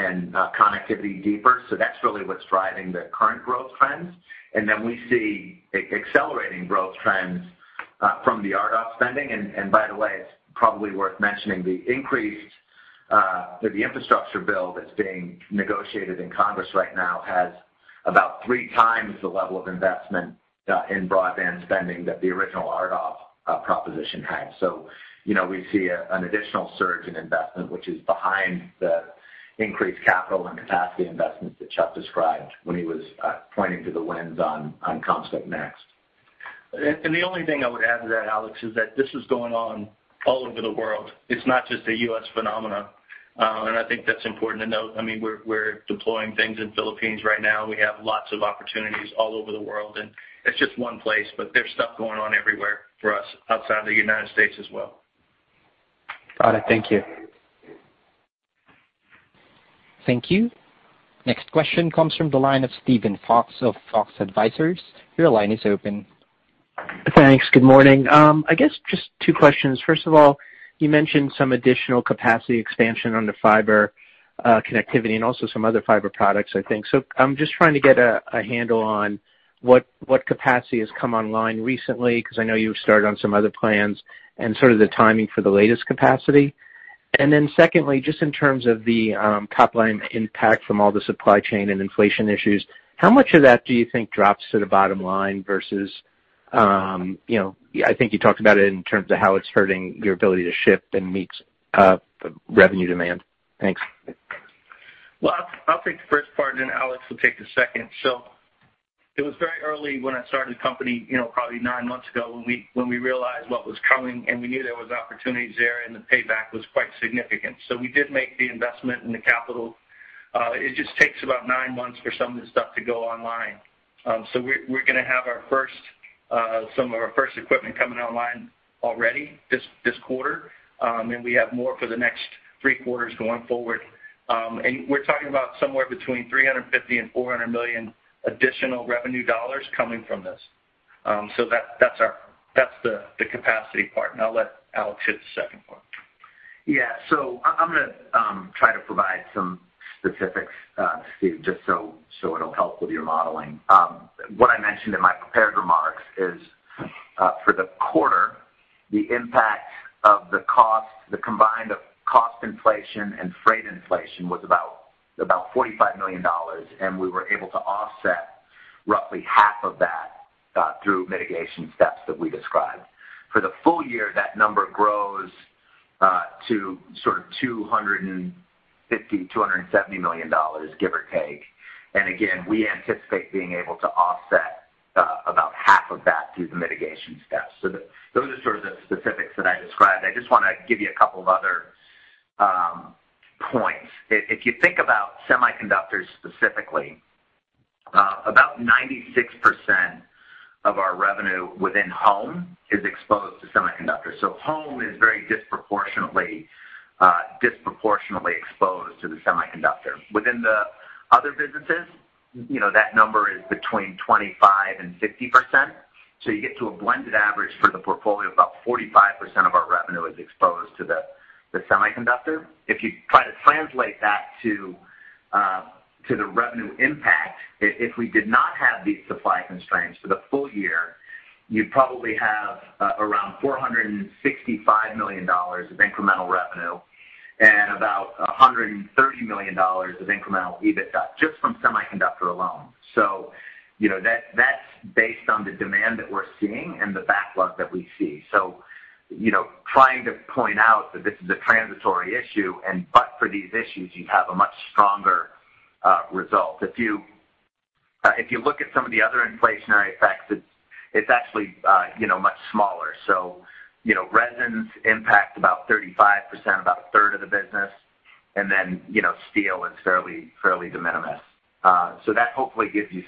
connectivity deeper. That's really what's driving the current growth trends. Then we see accelerating growth trends from the RDOF spending. By the way, it's probably worth mentioning the increased, the infrastructure build that's being negotiated in Congress right now has about three times the level of investment in broadband spending that the original RDOF proposition had. We see an additional surge in investment, which is behind the increased capital and capacity investments that Chuck described when he was pointing to the wins on CommScope Next. The only thing I would add to that, Alex, is that this is going on all over the world. It's not just a U.S. phenomenon. I think that's important to note. I mean, we're deploying things in Philippines right now. We have lots of opportunities all over the world, and it's just one place, but there's stuff going on everywhere for us outside the United States as well. Got it. Thank you. Thank you. Next question comes from the line of Steven Fox of Fox Advisors. Your line is open. Thanks. Good morning. I guess just two questions. First of all, you mentioned some additional capacity expansion on the fiber connectivity and also some other fiber products, I think. I'm just trying to get a handle on what capacity has come online recently, because I know you've started on some other plans and sort of the timing for the latest capacity. Then secondly, just in terms of the top-line impact from all the supply chain and inflation issues, how much of that do you think drops to the bottom line versus, I think you talked about it in terms of how it's hurting your ability to ship and meet revenue demand. Thanks. Well, I'll take the first part, and then Alex will take the second. It was very early when I started the company, probably 9 months ago, when we realized what was coming, and we knew there was opportunities there and the payback was quite significant. We did make the investment in the capital. It just takes about 9 months for some of this stuff to go online. We're going to have some of our first equipment coming online already this quarter. We have more for the next 3 quarters going forward. We're talking about somewhere between $350 million and $400 million additional revenue dollars coming from this. That's the capacity part, and I'll let Alex hit the second part. Yeah. I'm going to try to provide some specifics, Steve, just so it'll help with your modeling. What I mentioned in my prepared remarks is for the quarter, the impact of the combined cost inflation and freight inflation was about $45 million. We were able to offset roughly half of that through mitigation steps that we described. For the full year, that number grows to sort of $250 million-$270 million, give or take. Again, we anticipate being able to offset about half of that through the mitigation steps. Those are sort of the specifics that I described. I just want to give you a couple of other points. If you think about semiconductors specifically, about 96% of our revenue within Home is exposed to semiconductors. Home is very disproportionately exposed to the semiconductor. Within the other businesses, that number is between 25% and 50%. You get to a blended average for the portfolio of about 45% of our revenue is exposed to the semiconductor. If you try to translate that to the revenue impact, if we did not have these supply constraints for the full year, you'd probably have around $465 million of incremental revenue and about $130 million of incremental EBITDA, just from semiconductor alone. That's based on the demand that we're seeing and the backlog that we see. Trying to point out that this is a transitory issue, and but for these issues, you'd have a much stronger result. If you look at some of the other inflationary effects, it's actually much smaller. Resins impact about 35%, about a third of the business. Then, steel is fairly de minimis. That hopefully gives you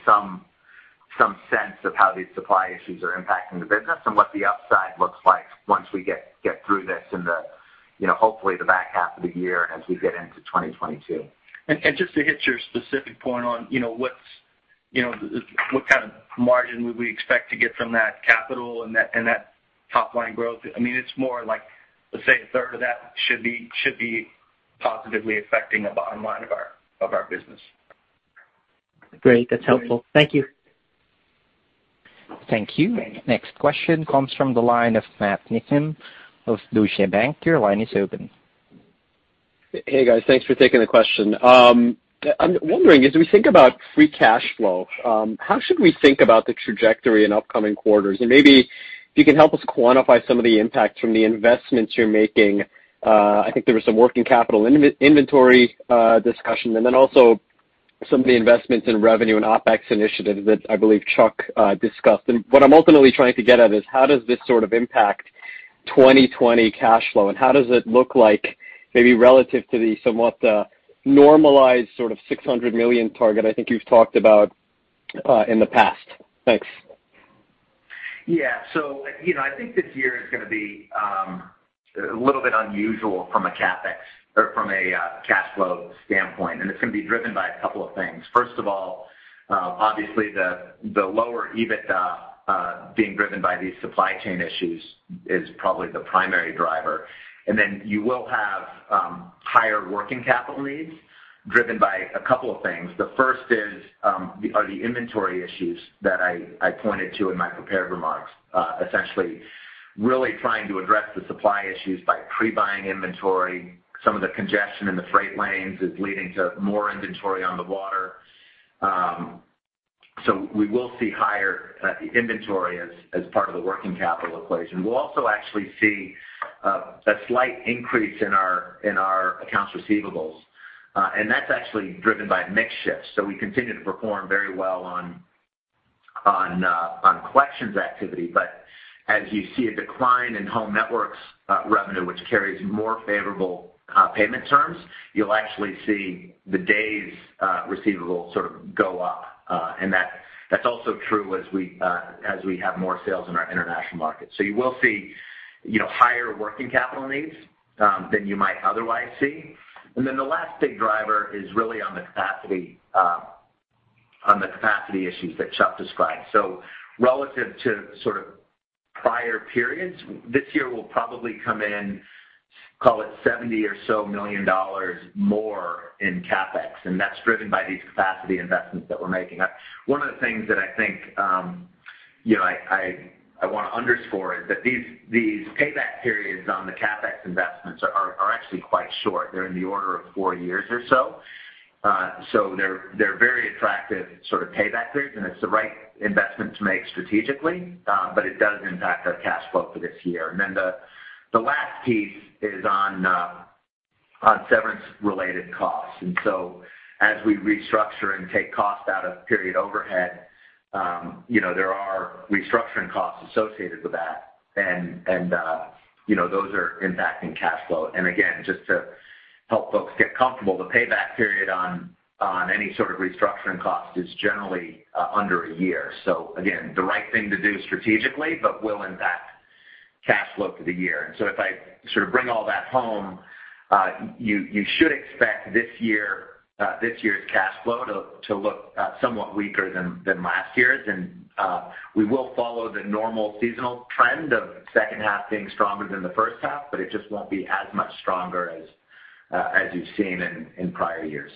some sense of how these supply issues are impacting the business and what the upside looks like once we get through this in the hopefully the back half of the year as we get into 2022. Just to hit your specific point on what kind of margin would we expect to get from that capital and that top-line growth. It's more like, let's say a third of that should be positively affecting the bottom line of our business. Great. That's helpful. Thank you. Thank you. Next question comes from the line of Matthew Niknam of Deutsche Bank. Your line is open. Hey, guys. Thanks for taking the question. I'm wondering, as we think about free cash flow, how should we think about the trajectory in upcoming quarters? Maybe if you can help us quantify some of the impact from the investments you're making. I think there was some working capital inventory discussion, then also some of the investments in revenue and OpEx initiatives that I believe Chuck discussed. What I'm ultimately trying to get at is how does this sort of impact 2020 cash flow, and how does it look like maybe relative to the somewhat normalized sort of $600 million target I think you've talked about in the past? Thanks. Yeah. I think this year is going to be a little bit unusual from a cash flow standpoint, it's going to be driven by a couple of things. First of all, obviously the lower EBITDA being driven by these supply chain issues is probably the primary driver. Then you will have higher working capital needs driven by a couple of things. The first are the inventory issues that I pointed to in my prepared remarks. Essentially, really trying to address the supply issues by pre-buying inventory. Some of the congestion in the freight lanes is leading to more inventory on the water. We will see higher inventory as part of the working capital equation. We'll also actually see a slight increase in our accounts receivables. That's actually driven by mix shifts. We continue to perform very well on collections activity. As you see a decline in Home Networks revenue, which carries more favorable payment terms, you'll actually see the days receivables sort of go up. That's also true as we have more sales in our international markets. You will see higher working capital needs than you might otherwise see. The last big driver is really on the capacity issues that Chuck described. Relative to sort of prior periods, this year will probably come in, call it $70 or so million more in CapEx. That's driven by these capacity investments that we're making. One of the things that I think I want to underscore is that these payback periods on the CapEx investments are actually quite short. They're in the order of four years or so. They're very attractive sort of payback periods, and it's the right investment to make strategically. It does impact our cash flow for this year. The last piece is on severance related costs. As we restructure and take costs out of period overhead, there are restructuring costs associated with that. Those are impacting cash flow. Again, just to help folks get comfortable. The payback period on any sort of restructuring cost is generally under a year. Again, the right thing to do strategically, but will impact cash flow for the year. If I bring all that home, you should expect this year's cash flow to look somewhat weaker than last year's, and we will follow the normal seasonal trend of the second half being stronger than the first half, but it just won't be as much stronger as you've seen in prior years.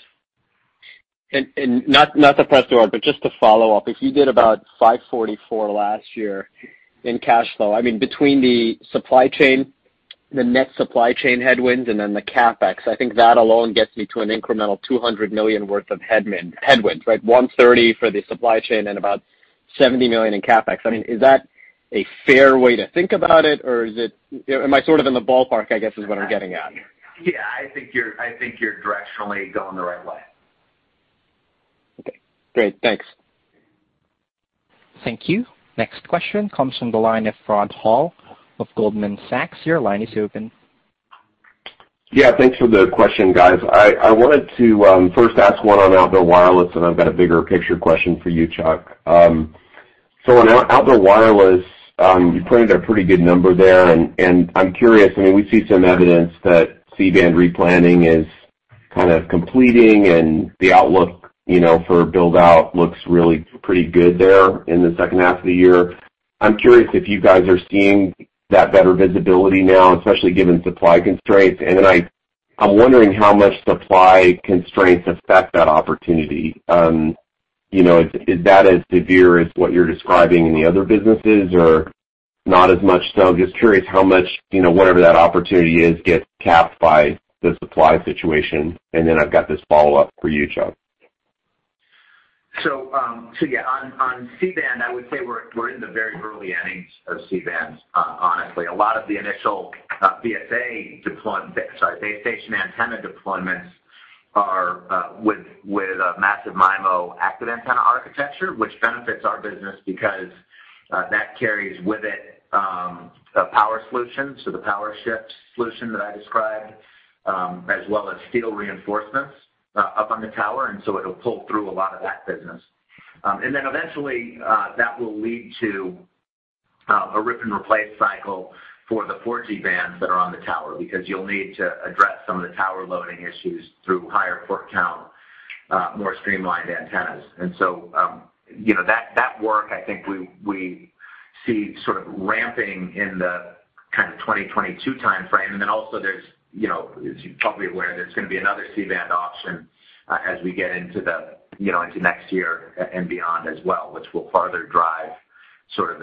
Not to press for, but just to follow up, if you did about $544 last year in cash flow, between the supply chain, the net supply chain headwinds, and then the CapEx, I think that alone gets me to an incremental $200 million worth of headwinds. $130 for the supply chain and about $70 million in CapEx. Is that a fair way to think about it, or am I sort of in the ballpark, I guess, is what I'm getting at? Yeah, I think you're directionally going the right way. Okay, great. Thanks. Thank you. Next question comes from the line of Rod Hall of Goldman Sachs. Your line is open. Yeah, thanks for the question, guys. I wanted to first ask one on Outdoor Wireless, and I've got a bigger picture question for you, Chuck. On Outdoor Wireless, you printed a pretty good number there, and I'm curious, we see some evidence that C-band replanning is kind of completing and the outlook for build-out looks really pretty good there in the second half of the year. I'm curious if you guys are seeing that better visibility now, especially given supply constraints. I'm wondering how much supply constraints affect that opportunity. Is that as severe as what you're describing in the other businesses or not as much so? Just curious how much, whatever that opportunity is, gets capped by the supply situation. I've got this follow-up for you, Chuck. Yeah, on C-band, I would say we're in the very early innings of C-band, honestly. A lot of the initial BSA deployment, sorry, base station antenna deployments are with massive MIMO active antenna architecture, which benefits our business because that carries with it a power solution. The PowerShift solution that I described, as well as steel reinforcements up on the tower, it'll pull through a lot of that business. Eventually, that will lead to a rip-and-replace cycle for the 4G bands that are on the tower, because you'll need to address some of the tower loading issues through higher port count, more streamlined antennas. That work, I think we see sort of ramping in the kind of 2022 timeframe. Also there's, as you're probably aware, there's going to be another C-band auction as we get into next year and beyond as well, which will further drive sort of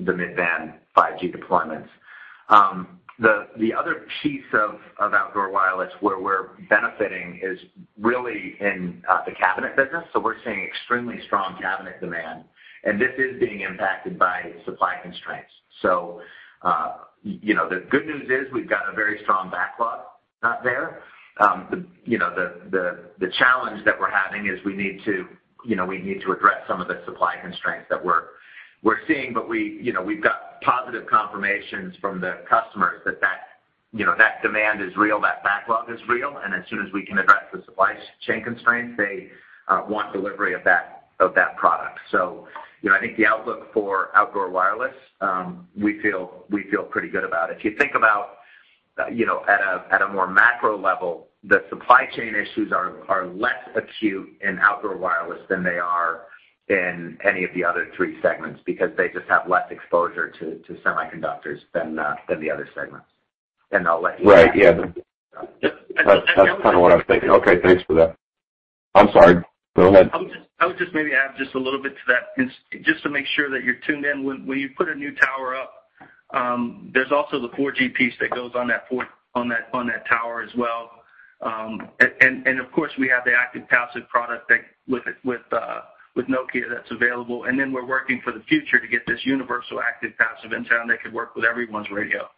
the mid-band 5G deployments. The other piece of Outdoor Wireless where we're benefiting is really in the cabinet business. We're seeing extremely strong cabinet demand, and this is being impacted by supply constraints. The good news is we've got a very strong backlog there. The challenge that we're having is we need to address some of the supply constraints that we're seeing, but we've got positive confirmations from the customers that that demand is real, that backlog is real, and as soon as we can address the supply chain constraints, they want delivery of that product. I think the outlook for Outdoor Wireless, we feel pretty good about it. If you think about at a more macro level, the supply chain issues are less acute in Outdoor Wireless than they are in any of the other three segments, because they just have less exposure to semiconductors than the other segments. I'll let you add. Right, yeah. That's kind of what I was thinking. Okay, thanks for that. I'm sorry. Go ahead. I would just maybe add just a little bit to that, just to make sure that you're tuned in. When you put a new tower up, there's also the 4G piece that goes on that tower as well. Of course, we have the active passive product with Nokia that's available. Then we're working for the future to get this universal active passive antenna that could work with everyone's radio.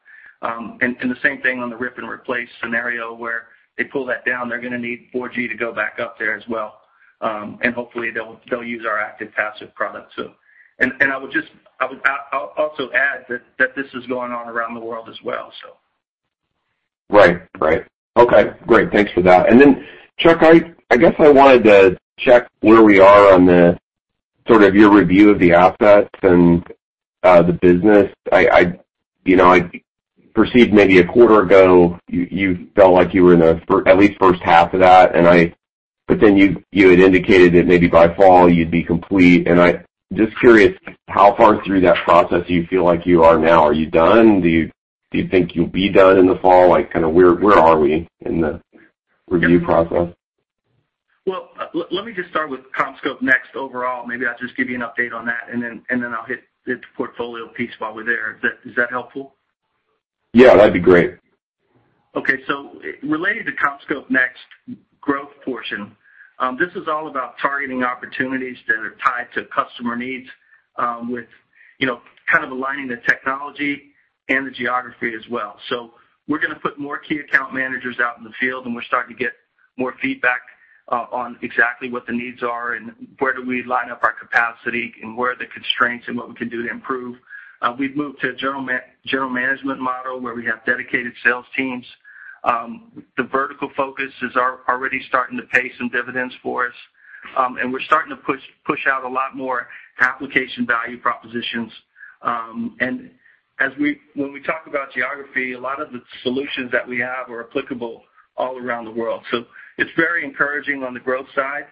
The same thing on the rip-and-replace scenario where they pull that down, they're going to need 4G to go back up there as well. Hopefully, they'll use our active passive product too. I would just also add that this is going on around the world as well. Right. Okay, great. Thanks for that. Then, Chuck, I guess I wanted to check where we are on the sort of your review of the assets and the business. I perceived maybe a quarter ago, you felt like you were in at least the first half of that, but then you had indicated that maybe by fall you'd be complete. I'm just curious how far through that process do you feel like you are now? Are you done? Do you think you'll be done in the fall? Where are we in the review process? Well, let me just start with CommScope Next overall. Maybe I'll just give you an update on that, and then I'll hit the portfolio piece while we're there. Is that helpful? Yeah, that'd be great. Related to CommScope Next growth portion, this is all about targeting opportunities that are tied to customer needs, with aligning the technology and the geography as well. We're going to put more key account managers out in the field, and we're starting to get more feedback on exactly what the needs are, where do we line up our capacity, where are the constraints, and what we can do to improve. We've moved to a general management model where we have dedicated sales teams. The vertical focus is already starting to pay some dividends for us. We're starting to push out a lot more application value propositions. When we talk about geography, a lot of the solutions that we have are applicable all around the world. It's very encouraging on the growth side.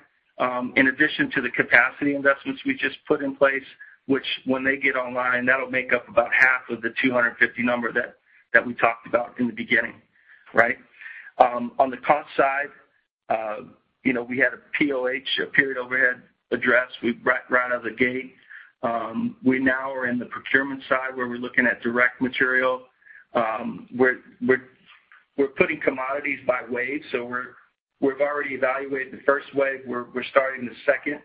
In addition to the capacity investments we just put in place, which, when they get online, that'll make up about half of the 250 number that we talked about in the beginning. Right? On the cost side, we had a POH, a period overhead address right out of the gate. We now are in the procurement side, where we're looking at direct material. We're putting commodities by wave. We've already evaluated the first wave. We're starting the second.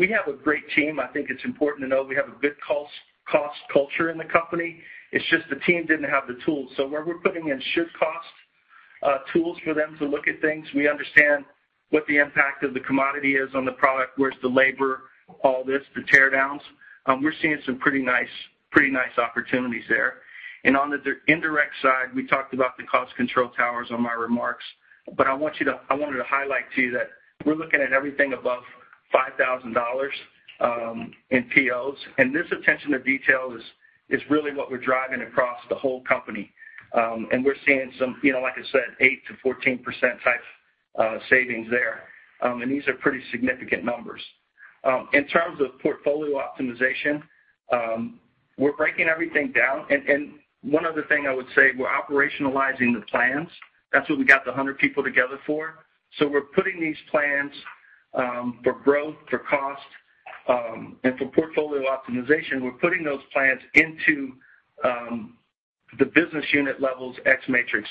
We have a great team. I think it's important to know we have a good cost culture in the company. It's just the team didn't have the tools. Where we're putting in should-cost tools for them to look at things, we understand what the impact of the commodity is on the product, where's the labor, all this, the tear-downs. We're seeing some pretty nice opportunities there. On the indirect side, we talked about the cost control towers on my remarks. I wanted to highlight to you that we're looking at everything above $5,000 in POs. This attention to detail is really what we're driving across the whole company. We're seeing some, like I said, 8%-14% type savings there. These are pretty significant numbers. In terms of portfolio optimization, we're breaking everything down. One other thing I would say, we're operationalizing the plans. That's what we got the 100 people together for. We're putting these plans, for growth, for cost, and for portfolio optimization. We're putting those plans into the business unit levels X matrix.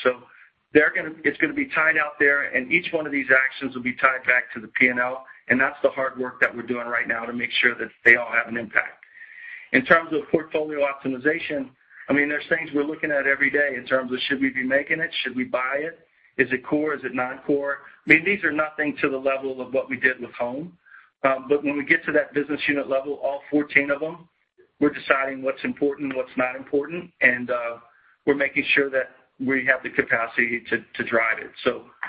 It's going to be tied out there, and each one of these actions will be tied back to the P&L, and that's the hard work that we're doing right now to make sure that they all have an impact. In terms of portfolio optimization, I mean, there's things we're looking at every day in terms of should we be making it? Should we buy it? Is it core? Is it not core? I mean, these are nothing to the level of what we did with Home. When we get to that business unit level, all 14 of them, we're deciding what's important, what's not important, and we're making sure that we have the capacity to drive it.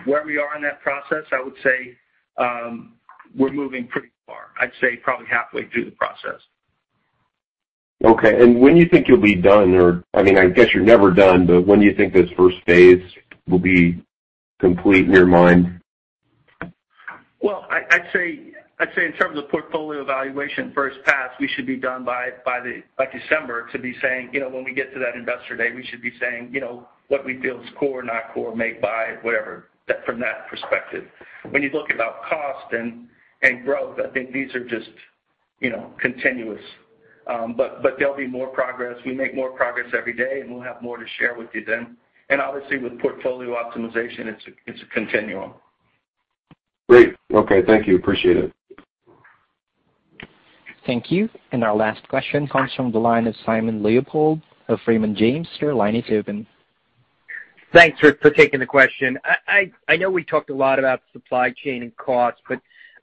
Where we are in that process, I would say we're moving pretty far. I'd say probably halfway through the process. Okay. When you think you'll be done, or, I mean, I guess you're never done, but when do you think this first phase will be complete in your mind? Well, I'd say in terms of portfolio evaluation first pass, we should be done by December to be saying, when we get to that investor day, we should be saying, what we feel is core, not core, make or buy, whatever, from that perspective. There'll be more progress. We make more progress every day, and we'll have more to share with you then. Obviously, with portfolio optimization, it's a continuum. Great. Okay. Thank you. Appreciate it. Thank you. Our last question comes from the line of Simon Leopold of Raymond James. Your line is open. Thanks for taking the question. I know we talked a lot about supply chain and cost,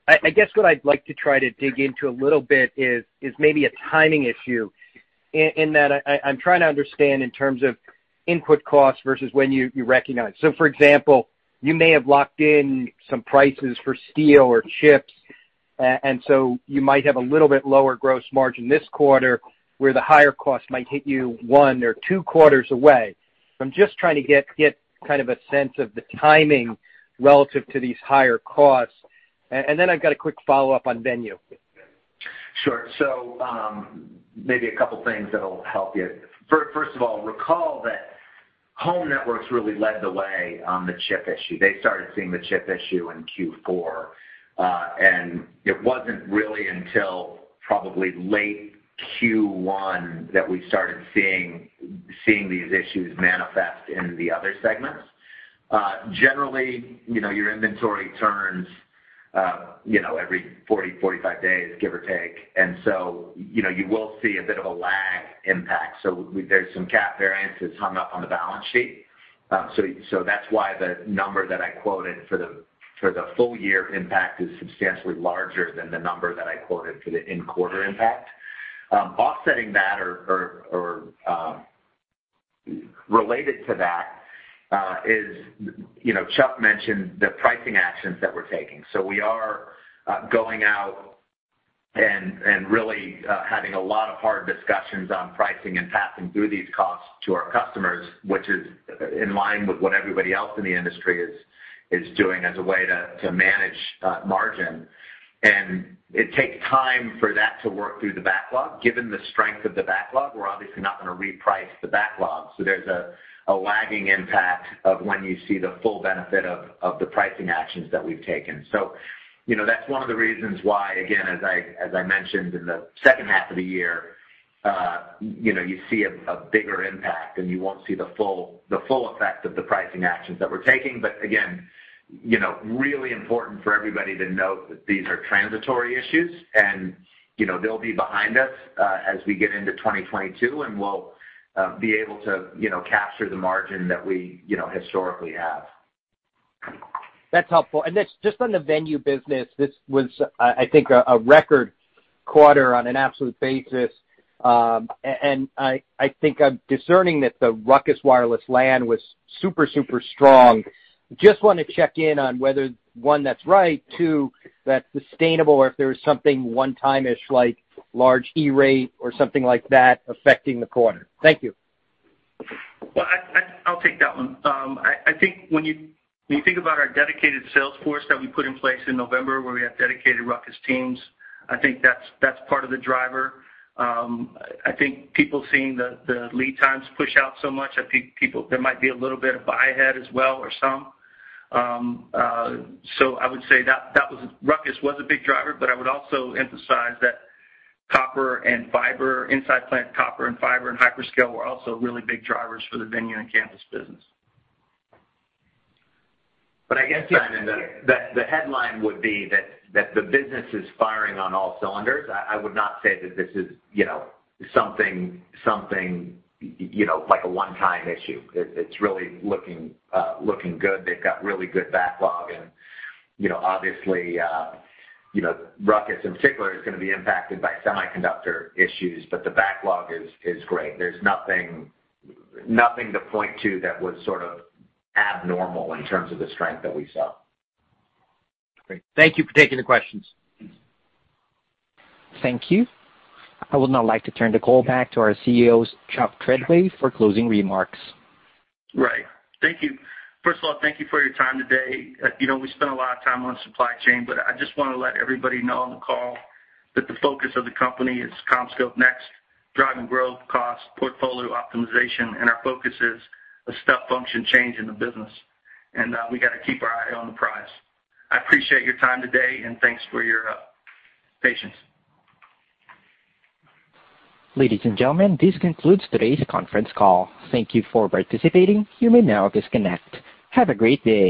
I guess what I'd like to try to dig into a little bit is maybe a timing issue in that I'm trying to understand in terms of input costs versus when you recognize. For example, you may have locked in some prices for steel or chips, you might have a little bit lower gross margin this quarter where the higher cost might hit you one or two quarters away. I'm just trying to get kind of a sense of the timing relative to these higher costs. I've got a quick follow-up on Venue. Sure. Maybe a couple things that'll help you. First of all, recall that Home Networks really led the way on the chip issue. They started seeing the chip issue in Q4. It wasn't really until probably late Q1 that we started seeing these issues manifest in the other segments. Generally, your inventory turns every 40, 45 days, give or take. You will see a bit of a lag impact. There's some cap variances hung up on the balance sheet. That's why the number that I quoted for the full year impact is substantially larger than the number that I quoted for the in-quarter impact. Offsetting that or related to that is, Chuck mentioned the pricing actions that we're taking. We are going out and really having a lot of hard discussions on pricing and passing through these costs to our customers, which is in line with what everybody else in the industry is doing as a way to manage margin. It takes time for that to work through the backlog. Given the strength of the backlog, we're obviously not going to reprice the backlog. There's a lagging impact of when you see the full benefit of the pricing actions that we've taken. That's one of the reasons why, again, as I mentioned, in the second half of the year you see a bigger impact, and you won't see the full effect of the pricing actions that we're taking. Important for everybody to note that these are transitory issues and they'll be behind us as we get into 2022, and we'll be able to capture the margin that we historically have. That's helpful. Just on the venue business, this was, I think, a record quarter on an absolute basis. I think I'm discerning that the RUCKUS wireless LAN was super strong. Just want to check in on whether, one, that's right, two, that's sustainable, or if there was something one-time-ish like large E-rate or something like that affecting the quarter. Thank you. Well, I'll take that one. I think when you think about our dedicated sales force that we put in place in November, where we have dedicated RUCKUS teams, I think that's part of the driver. I think people seeing the lead times push out so much, I think there might be a little bit of buy-ahead as well or some. I would say that RUCKUS was a big driver. I would also emphasize that copper and fiber, inside plant copper and fiber and hyperscale were also really big drivers for the venue and campus business. I guess, Simon, the headline would be that the business is firing on all cylinders. I would not say that this is something like a one-time issue. It's really looking good. They've got really good backlog. Obviously, RUCKUS in particular is going to be impacted by semiconductor issues, but the backlog is great. There's nothing to point to that was sort of abnormal in terms of the strength that we saw. Great. Thank you for taking the questions. Thank you. I would now like to turn the call back to our CEO, Chuck Treadway, for closing remarks. Right. Thank you. First of all, thank you for your time today. We spent a lot of time on supply chain, but I just want to let everybody know on the call that the focus of the company is CommScope Next, driving growth, cost, portfolio optimization, and our focus is a step function change in the business, and we got to keep our eye on the prize. I appreciate your time today, and thanks for your patience. Ladies and gentlemen, this concludes today's conference call. Thank you for participating. You may now disconnect. Have a great day.